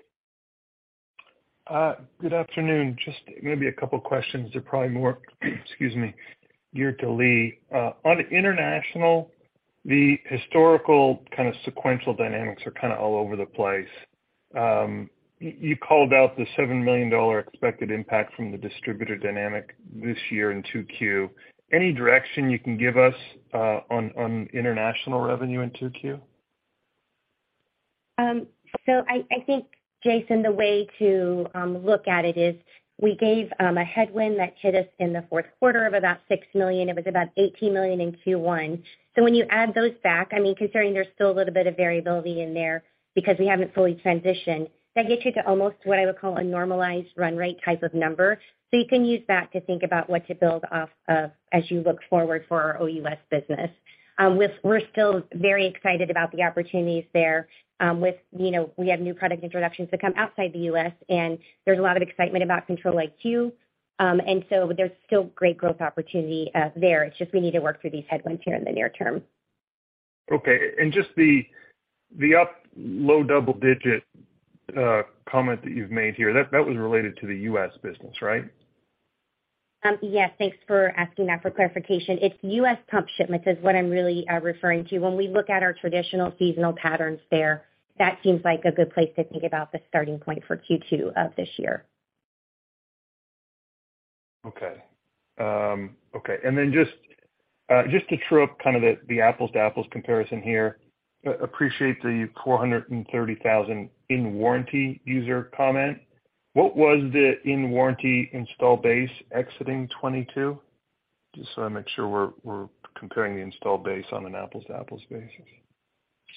Good afternoon. Just maybe a couple questions. They're probably more, excuse me, geared to Leigh. On international, the historical kind of sequential dynamics are kind of all over the place. You called out the $7 million expected impact from the distributor dynamic this year in 2Q. Any direction you can give us on international revenue in 2Q? I think, Jayson, the way to look at it is we gave a headwind that hit us in the fourth quarter of about $6 million. It was about $18 million in Q1. When you add those back, I mean, considering there's still a little bit of variability in there because we haven't fully transitioned, that gets you to almost what I would call a normalized run rate type of number. You can use that to think about what to build off of as you look forward for our OUS business. We're still very excited about the opportunities there, with, you know, we have new product introductions that come outside the U.S., and there's a lot of excitement about Control-IQ. There's still great growth opportunity there. It's just we need to work through these headwinds here in the near term. Okay. Just the up low double-digit, comment that you've made here, that was related to the U.S. business, right? Yes, thanks for asking that for clarification. It's U.S. pump shipments is what I'm really referring to. We look at our traditional seasonal patterns there, that seems like a good place to think about the starting point for Q2 of this year. Okay. Okay. Just to true-up kind of the apples to apples comparison here, appreciate the 430,000 in warranty user comment. What was the in-warranty install base exiting 22? Just so I make sure we're comparing the install base on an apples to apples basis.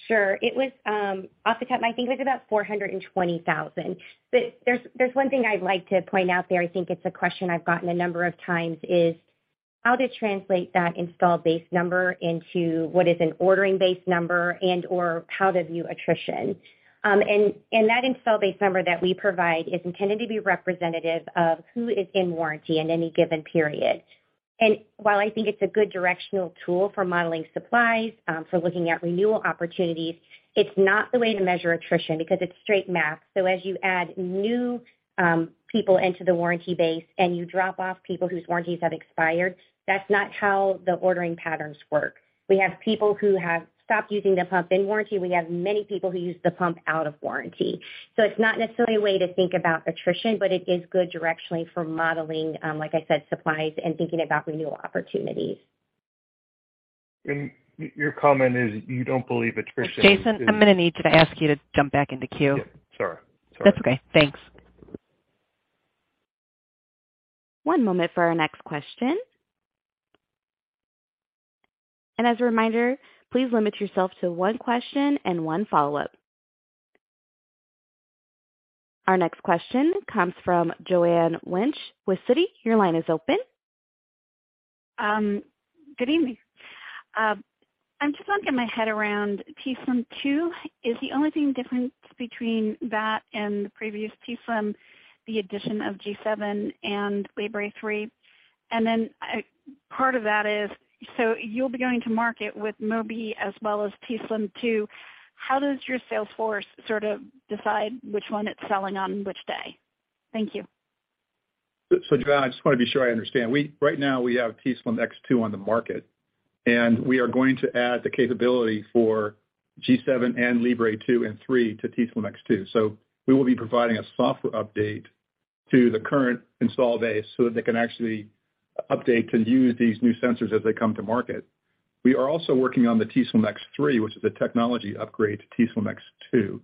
Sure. It was off the top, I think it was about $420,000. There's one thing I'd like to point out there. I think it's a question I've gotten a number of times, is how to translate that installed base number into what is an ordering base number and/or how to view attrition. That install base number that we provide is intended to be representative of who is in warranty in any given period. While I think it's a good directional tool for modeling supplies, for looking at renewal opportunities, it's not the way to measure attrition because it's straight math. As you add new people into the warranty base and you drop off people whose warranties have expired, that's not how the ordering patterns work. We have people who have stopped using the pump in warranty. We have many people who use the pump out of warranty. It's not necessarily a way to think about attrition, but it is good directionally for modeling, like I said, supplies and thinking about renewal opportunities. Your comment is you don't believe attrition- Jayson, I'm gonna need to ask you to jump back into queue. Yeah. Sorry. That's okay. Thanks. One moment for our next question. As a reminder, please limit yourself to one question and one follow-up. Our next question comes from Joanne Wuensch with Citi. Your line is open. Good evening. I'm just wrapping my head around t:slim X2. Is the only thing different between that and the previous t:slim, the addition of G7 and Libre 3? Part of that is, you'll be going to market with Mobi as well as t:slim X2. How does your sales force sort of decide which one it's selling on which day? Thank you. Joanne, I just wanna be sure I understand. Right now, we have t:slim X2 on the market, and we are going to add the capability for G7 and FreeStyle Libre 2 and 3 to t:slim X2. We will be providing a software update to the current install base so that they can actually update and use these new sensors as they come to market. We are also working on the t:slim X3, which is a technology upgrade to t:slim X2,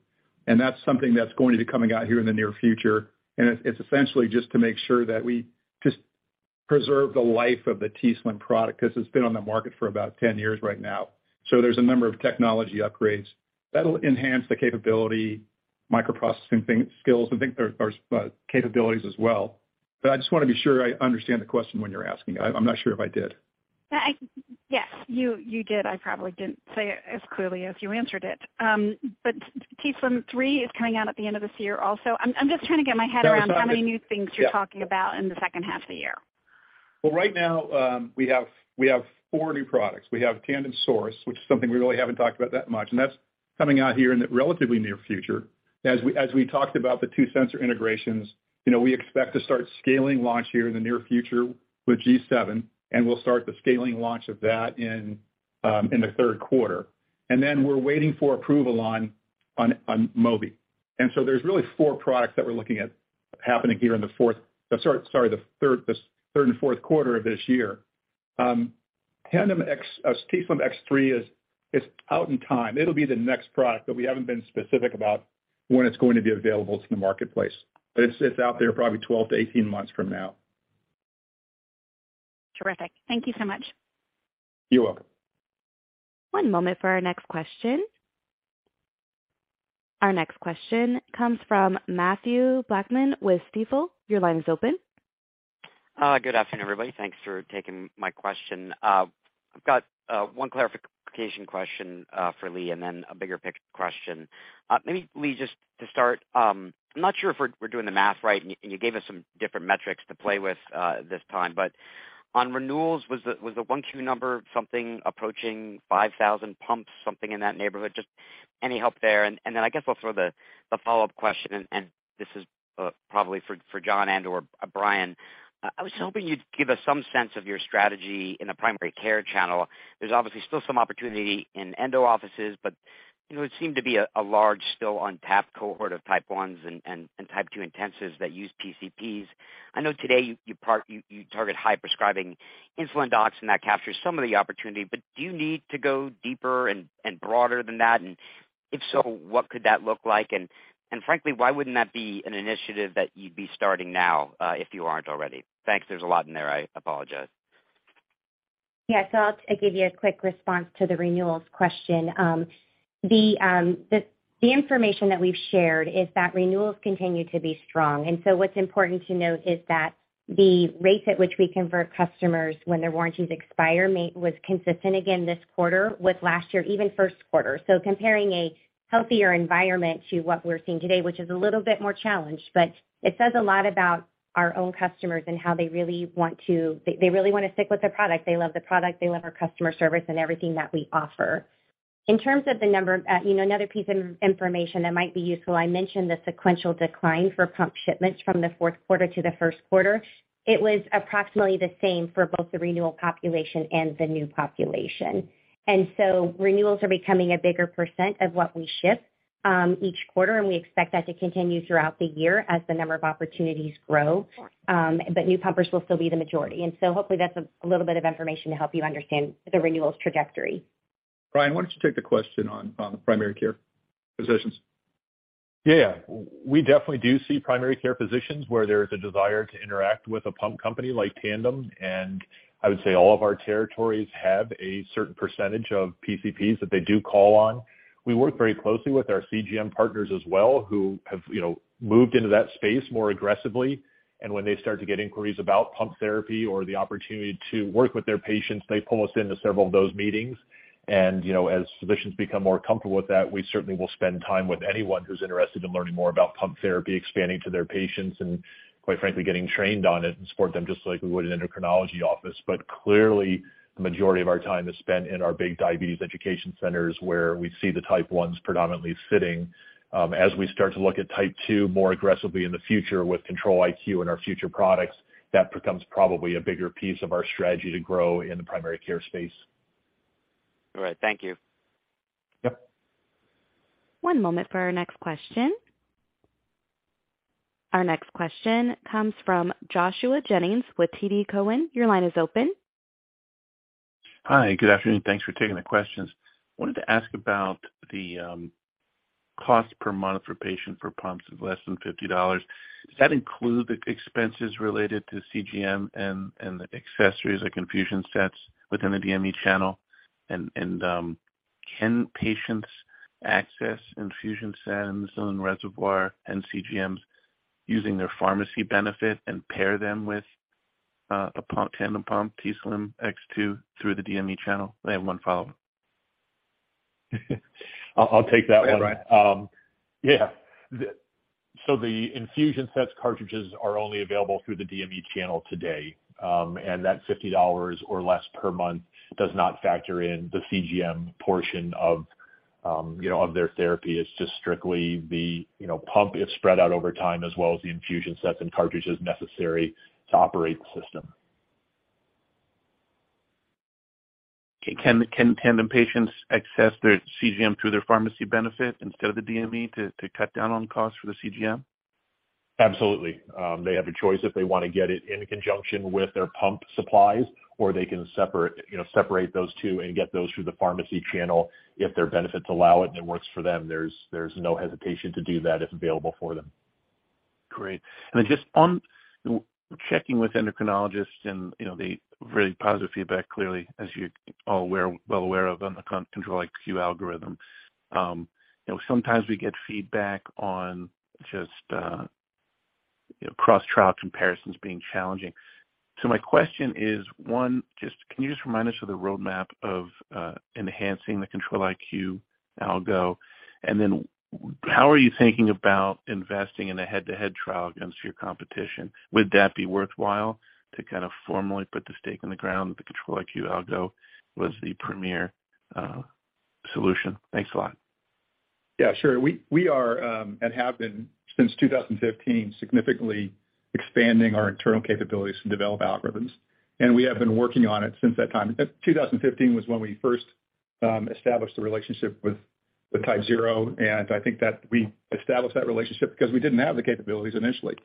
and that's something that's going to be coming out here in the near future. It's essentially just to make sure that we just preserve the life of the t:slim product 'cause it's been on the market for about 10 years right now. There's a number of technology upgrades that'll enhance the capability, microprocessing thing, skills, and think there's capabilities as well. I just wanna be sure I understand the question when you're asking. I'm not sure if I did. Yes, you did. I probably didn't say it as clearly as you answered it. T:slim X3 is coming out at the end of this year also? I'm just trying to get my head around how many new things you're talking about in the second half of the year. Well, right now, we have four new products. We have Tandem Source, which is something we really haven't talked about that much, and that's coming out here in the relatively near future. As we talked about the two sensor integrations, you know, we expect to start scaling launch here in the near future with G7, and we'll start the scaling launch of that in the third quarter. Then we're waiting for approval on Mobi. So there's really four products that we're looking at happening here in the third and fourth quarter of this year. T:slim X3 is out in time. It'll be the next product that we haven't been specific about when it's going to be available to the marketplace. It's out there probably 12-18 months from now. Terrific. Thank you so much. You're welcome. One moment for our next question. Our next question comes from Mathew Blackman with Stifel. Your line is open. Good afternoon, everybody. Thanks for taking my question. I've got one clarification question for Leigh and then a bigger question. Maybe Leigh, just to start, I'm not sure if we're doing the math right, and you gave us some different metrics to play with this time. On renewals, was the 1Q number something approaching 5,000 pumps, something in that neighborhood? Just any help there. Then I guess I'll throw the follow-up question, and this is probably for John and or Brian. I was hoping you'd give us some sense of your strategy in the primary care channel. There's obviously still some opportunity in endo offices, but, you know, it seemed to be a large still untapped cohort of type ones and type two intensives that use PCPs. I know today you target high prescribing insulin docs, and that captures some of the opportunity. Do you need to go deeper and broader than that? If so, what could that look like? Frankly, why wouldn't that be an initiative that you'd be starting now, if you aren't already? Thanks. There's a lot in there. I apologize. Yeah. I'll give you a quick response to the renewals question. The, the information that we've shared is that renewals continue to be strong. What's important to note is that the rates at which we convert customers when their warranties expire was consistent again this quarter with last year, even first quarter. Comparing a healthier environment to what we're seeing today, which is a little bit more challenged, it says a lot about our own customers and how they really want to... They really wanna stick with the product. They love the product, they love our customer service and everything that we offer. In terms of the number, you know, another piece of information that might be useful, I mentioned the sequential decline for pump shipments from the fourth quarter to the first quarter. It was approximately the same for both the renewal population and the new population. Renewals are becoming a bigger % of what we ship each quarter, and we expect that to continue throughout the year as the number of opportunities grow. But new pumpers will still be the majority. Hopefully that's a little bit of information to help you understand the renewals trajectory. Brian, why don't you take the question on the primary care physicians? Yeah. We definitely do see primary care physicians where there is a desire to interact with a pump company like Tandem. I would say all of our territories have a certain percentage of PCPs that they do call on. We work very closely with our CGM partners as well, who have, you know, moved into that space more aggressively. When they start to get inquiries about pump therapy or the opportunity to work with their patients, they pull us into several of those meetings. You know, as physicians become more comfortable with that, we certainly will spend time with anyone who's interested in learning more about pump therapy, expanding to their patients, and quite frankly, getting trained on it and support them just like we would in endocrinology office. Clearly the majority of our time is spent in our big diabetes education centers, where we see the type ones predominantly sitting. As we start to look at type two more aggressively in the future with Control-IQ and our future products, that becomes probably a bigger piece of our strategy to grow in the primary care space. All right. Thank you. Yep. One moment for our next question. Our next question comes from Joshua Jennings with TD Cowen. Your line is open. Hi. Good afternoon. Thanks for taking the questions. Wanted to ask about the cost per month for patient for pumps of less than $50. Does that include the expenses related to CGM and the accessories like infusion sets within the DME channel? Can patients access infusion sets and reservoir and CGMs using their pharmacy benefit and pair them with a pump, Tandem pump, t:slim X2 through the DME channel? I have one follow-up. I'll take that one. All right. Yeah. The infusion sets cartridges are only available through the DME channel today. That $50 or less per month does not factor in the CGM portion of, you know, of their therapy. It's just strictly the, you know, pump. It's spread out over time as well as the infusion sets and cartridges necessary to operate the system. Can Tandem patients access their CGM through their pharmacy benefit instead of the DME to cut down on costs for the CGM? Absolutely. They have a choice if they wanna get it in conjunction with their pump supplies or they can separate, you know, separate those two and get those through the pharmacy channel if their benefits allow it and it works for them. There's no hesitation to do that if available for them. Just on checking with endocrinologists and, you know, the very positive feedback, clearly, as you're well aware of on the Control-IQ algorithm. You know, sometimes we get feedback on just, you know, cross-trial comparisons being challenging. My question is, one, just can you just remind us of the roadmap of enhancing the Control-IQ algo? How are you thinking about investing in a head-to-head trial against your competition? Would that be worthwhile to kind of formally put the stake in the ground that the Control-IQ algo was the premier solution? Thanks a lot. We are and have been since 2015, significantly expanding our internal capabilities to develop algorithms. We have been working on it since that time. 2015 was when we first established the relationship with TypeZero, and I think that we established that relationship because we didn't have the capabilities initially.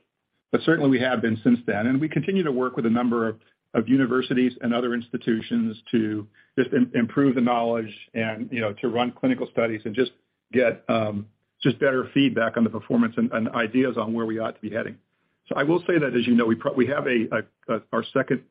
Certainly we have been since then, and we continue to work with a number of universities and other institutions to just improve the knowledge and, you know, to run clinical studies and just get better feedback on the performance and ideas on where we ought to be heading. I will say that, as you know, we have our second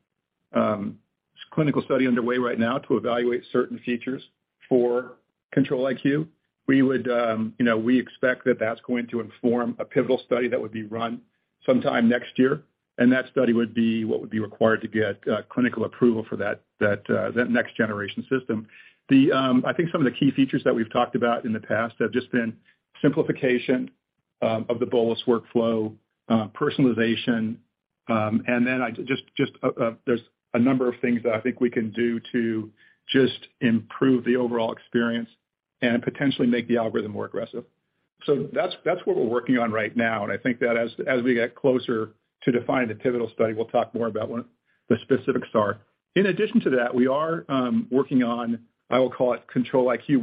clinical study underway right now to evaluate certain features for Control-IQ. We would, you know, we expect that that's going to inform a pivotal study that would be run sometime next year. That study would be what would be required to get clinical approval for that next generation system. I think some of the key features that we've talked about in the past have just been simplification of the bolus workflow, personalization, and then there's a number of things that I think we can do to just improve the overall experience and potentially make the algorithm more aggressive. That's what we're working on right now, and I think that as we get closer to defining the pivotal study, we'll talk more about what the specifics are. In addition to that, we are working on, I will call it Control-IQ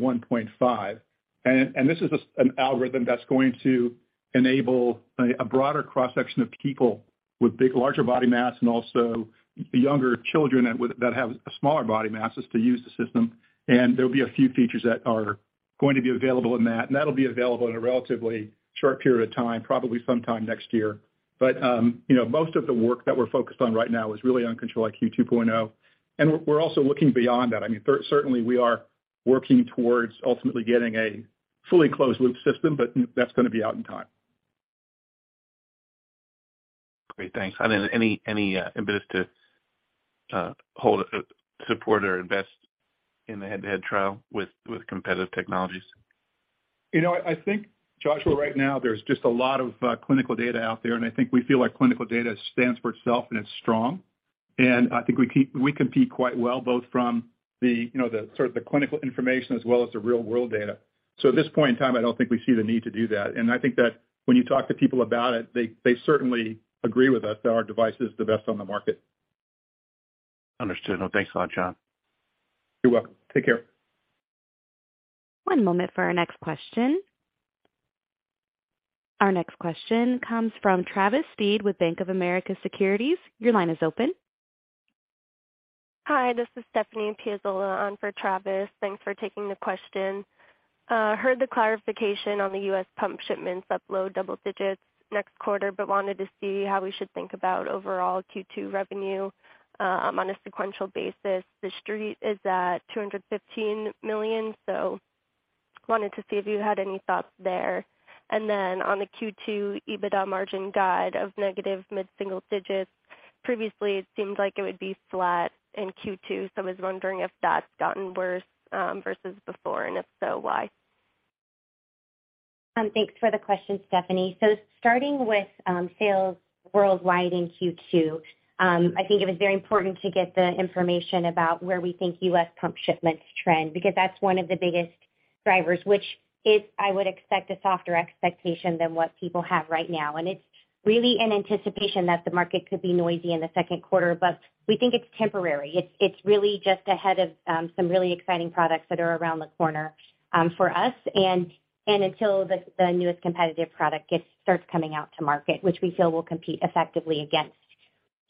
1.5. This is just an algorithm that's going to enable a broader cross-section of people with big, larger body mass and also younger children that have smaller body masses to use the system. There'll be a few features that are going to be available in that. That'll be available in a relatively short period of time, probably sometime next year. You know, most of the work that we're focused on right now is really on Control-IQ 2.0. We're also looking beyond that. I mean, certainly we are working towards ultimately getting a fully closed loop system, but that's gonna be out in time. Great. Thanks. Any impetus to hold support or invest in the head-to-head trial with competitive technologies? You know, I think, Joshua, right now there's just a lot of clinical data out there. I think we feel like clinical data stands for itself and it's strong. I think we compete quite well, both from the, you know, the sort of the clinical information as well as the real world data. At this point in time, I don't think we see the need to do that. I think that when you talk to people about it, they certainly agree with us that our device is the best on the market. Understood. No, thanks a lot, John. You're welcome. Take care. One moment for our next question. Our next question comes from Travis Steed with Bank of America Securities. Your line is open. Hi, this is Stephanie Piazzola on for Travis. Thanks for taking the question. Heard the clarification on the U.S. pump shipments up low double digits next quarter, but wanted to see how we should think about overall Q2 revenue on a sequential basis. The Street is at $215 million, so wanted to see if you had any thoughts there. On the Q2 EBITDA margin guide of negative mid-single digits, previously it seemed like it would be flat in Q2, so I was wondering if that's gotten worse versus before, and if so, why? Thanks for the question, Stephanie. Starting with sales worldwide in Q2, I think it was very important to get the information about where we think US pump shipments trend, because that's one of the biggest drivers, which is, I would expect, a softer expectation than what people have right now. It's really in anticipation that the market could be noisy in Q2, but we think it's temporary. It's really just ahead of some really exciting products that are around the corner for us, and until the newest competitive product starts coming out to market, which we feel will compete effectively against.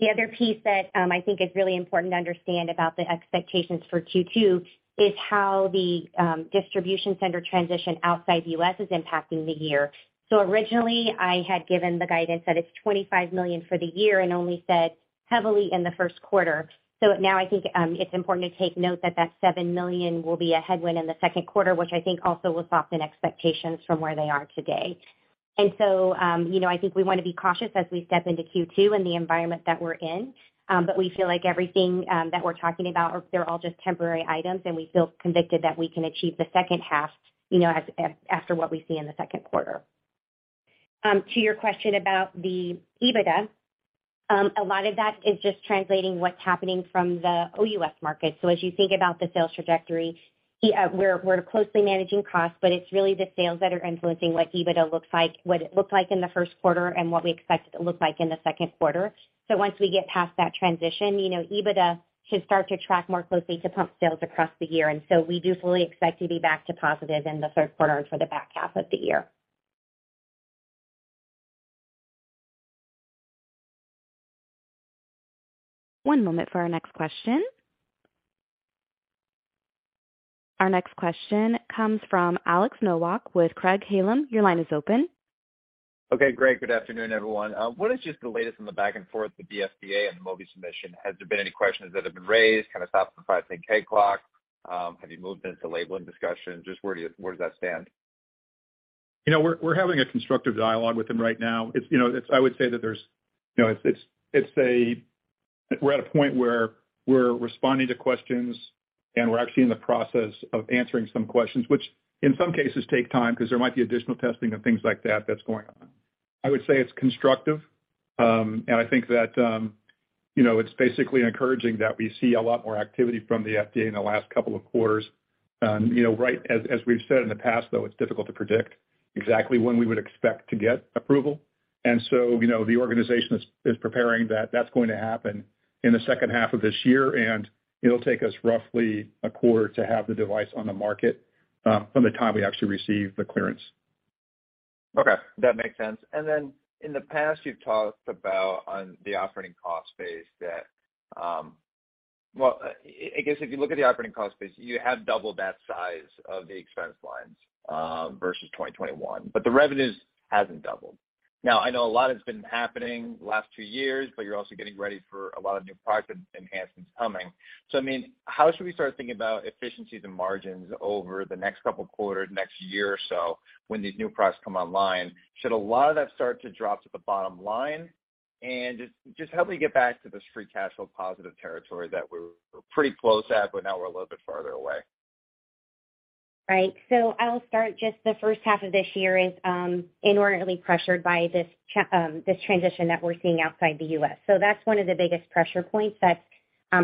The other piece that I think is really important to understand about the expectations for Q2 is how the distribution center transition outside the US is impacting the year. Originally, I had given the guidance that it's $25 million for the year and only said heavily in the first quarter. Now I think, it's important to take note that that $7 million will be a headwind in the second quarter, which I think also will soften expectations from where they are today. You know, I think we want to be cautious as we step into Q2 and the environment that we're in, but we feel like everything that we're talking about, they're all just temporary items, and we feel convicted that we can achieve the second half, you know, as after what we see in the second quarter. To your question about the EBITDA, a lot of that is just translating what's happening from the OUS market. As you think about the sales trajectory, we're closely managing costs. It's really the sales that are influencing what EBITDA looks like, what it looked like in the first quarter and what we expect it to look like in the second quarter. Once we get past that transition, you know, EBITDA should start to track more closely to pump sales across the year. We do fully expect to be back to positive in the third quarter and for the back half of the year. One moment for our next question. Our next question comes from Alex Nowak with Craig-Hallum. Your line is open. Okay, great. Good afternoon, everyone. What is just the latest on the back and forth with the FDA and the Mobi submission? Has there been any questions that have been raised? Kind of stopped the 510(k) clock? Have you moved into labeling discussions? Just where does that stand? You know, we're having a constructive dialogue with them right now. It's, you know, I would say that there's, you know, We're at a point where we're responding to questions, and we're actually in the process of answering some questions, which in some cases take time because there might be additional testing and things like that that's going on. I would say it's constructive, and I think that, you know, it's basically encouraging that we see a lot more activity from the FDA in the last couple of quarters. You know, As we've said in the past, though, it's difficult to predict exactly when we would expect to get approval. You know, the organization is preparing that's going to happen in the second half of this year, and it'll take us roughly a quarter to have the device on the market from the time we actually receive the clearance. Okay, that makes sense. Then in the past, you've talked about on the operating cost base that. Well, I guess if you look at the operating cost base, you have doubled that size of the expense lines, versus 2021, but the revenues hasn't doubled. I know a lot has been happening the last two years, but you're also getting ready for a lot of new product enhancements coming. I mean, how should we start thinking about efficiencies and margins over the next couple quarters, next year or so when these new products come online? Should a lot of that start to drop to the bottom line? Just help me get back to this free cash flow positive territory that we're pretty close at, but now we're a little bit farther away. I'll start just the first half of this year is inordinately pressured by this transition that we're seeing outside the U.S. That's one of the biggest pressure points that's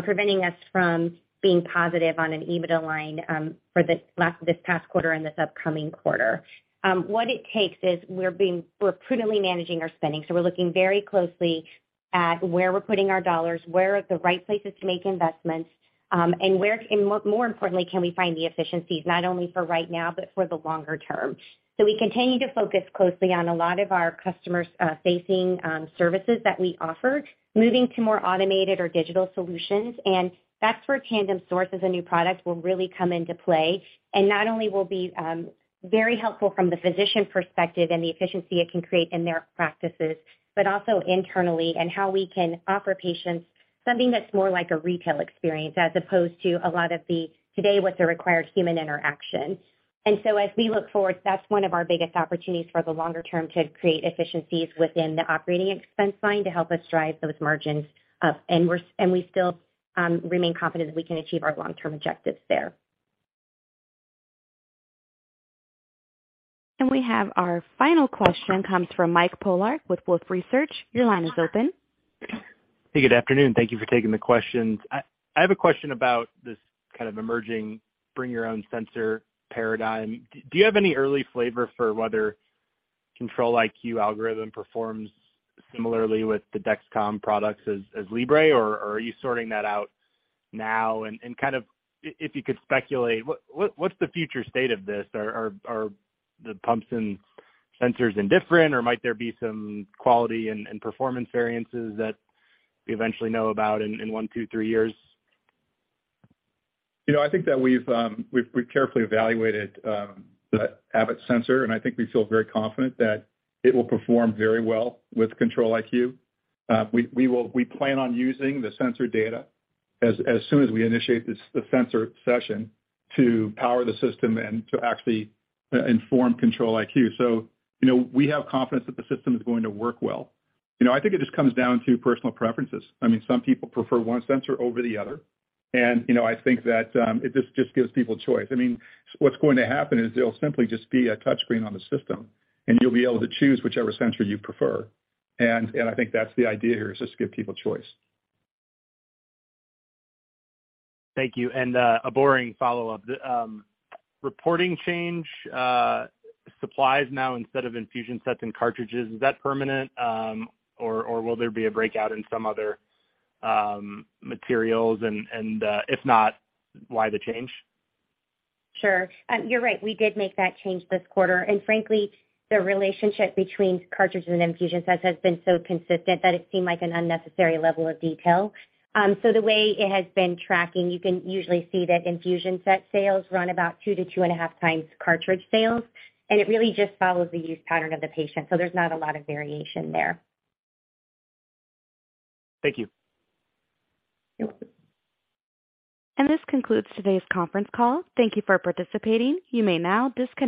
preventing us from being positive on an EBITDA line for this past quarter and this upcoming quarter. What it takes is we're prudently managing our spending. We're looking very closely at where we're putting our dollars, where are the right places to make investments, and more importantly, can we find the efficiencies not only for right now but for the longer term. We continue to focus closely on a lot of our customers, facing services that we offer, moving to more automated or digital solutions. That's where Tandem Source as a new product will really come into play. Not only will be very helpful from the physician perspective and the efficiency it can create in their practices, but also internally and how we can offer patients something that's more like a retail experience as opposed to a lot of the today what's a required human interaction. As we look forward, that's one of our biggest opportunities for the longer term to create efficiencies within the operating expense line to help us drive those margins up. We still remain confident that we can achieve our long-term objectives there. We have our final question comes from Mike Polark with Wolfe Research. Your line is open. Hey, good afternoon. Thank you for taking the questions. I have a question about this kind of emerging bring your own sensor paradigm. Do you have any early flavor for whether Control-IQ algorithm performs similarly with the Dexcom products as Libre, or are you sorting that out now? And kind of if you could speculate, what's the future state of this? Are the pumps and sensors indifferent, or might there be some quality and performance variances that we eventually know about in one, two, three years? You know, I think that we've carefully evaluated the Abbott sensor, and I think we feel very confident that it will perform very well with Control-IQ. We plan on using the sensor data as soon as we initiate the sensor session to power the system and to actually inform Control-IQ. You know, we have confidence that the system is going to work well. You know, I think it just comes down to personal preferences. I mean, some people prefer one sensor over the other. You know, I think that it just gives people choice. I mean, what's going to happen is it'll simply just be a touch screen on the system, and you'll be able to choose whichever sensor you prefer. And I think that's the idea here is just to give people choice. Thank you. A boring follow-up. The reporting change, supplies now instead of infusion sets and cartridges, is that permanent? Will there be a breakout in some other materials? If not, why the change? Sure. You're right, we did make that change this quarter. Frankly, the relationship between cartridges and infusion sets has been so consistent that it seemed like an unnecessary level of detail. The way it has been tracking, you can usually see that infusion set sales run about two to two and a half times cartridge sales. It really just follows the use pattern of the patient. There's not a lot of variation there. Thank you. You're welcome. This concludes today's conference call. Thank you for participating. You may now disconnect.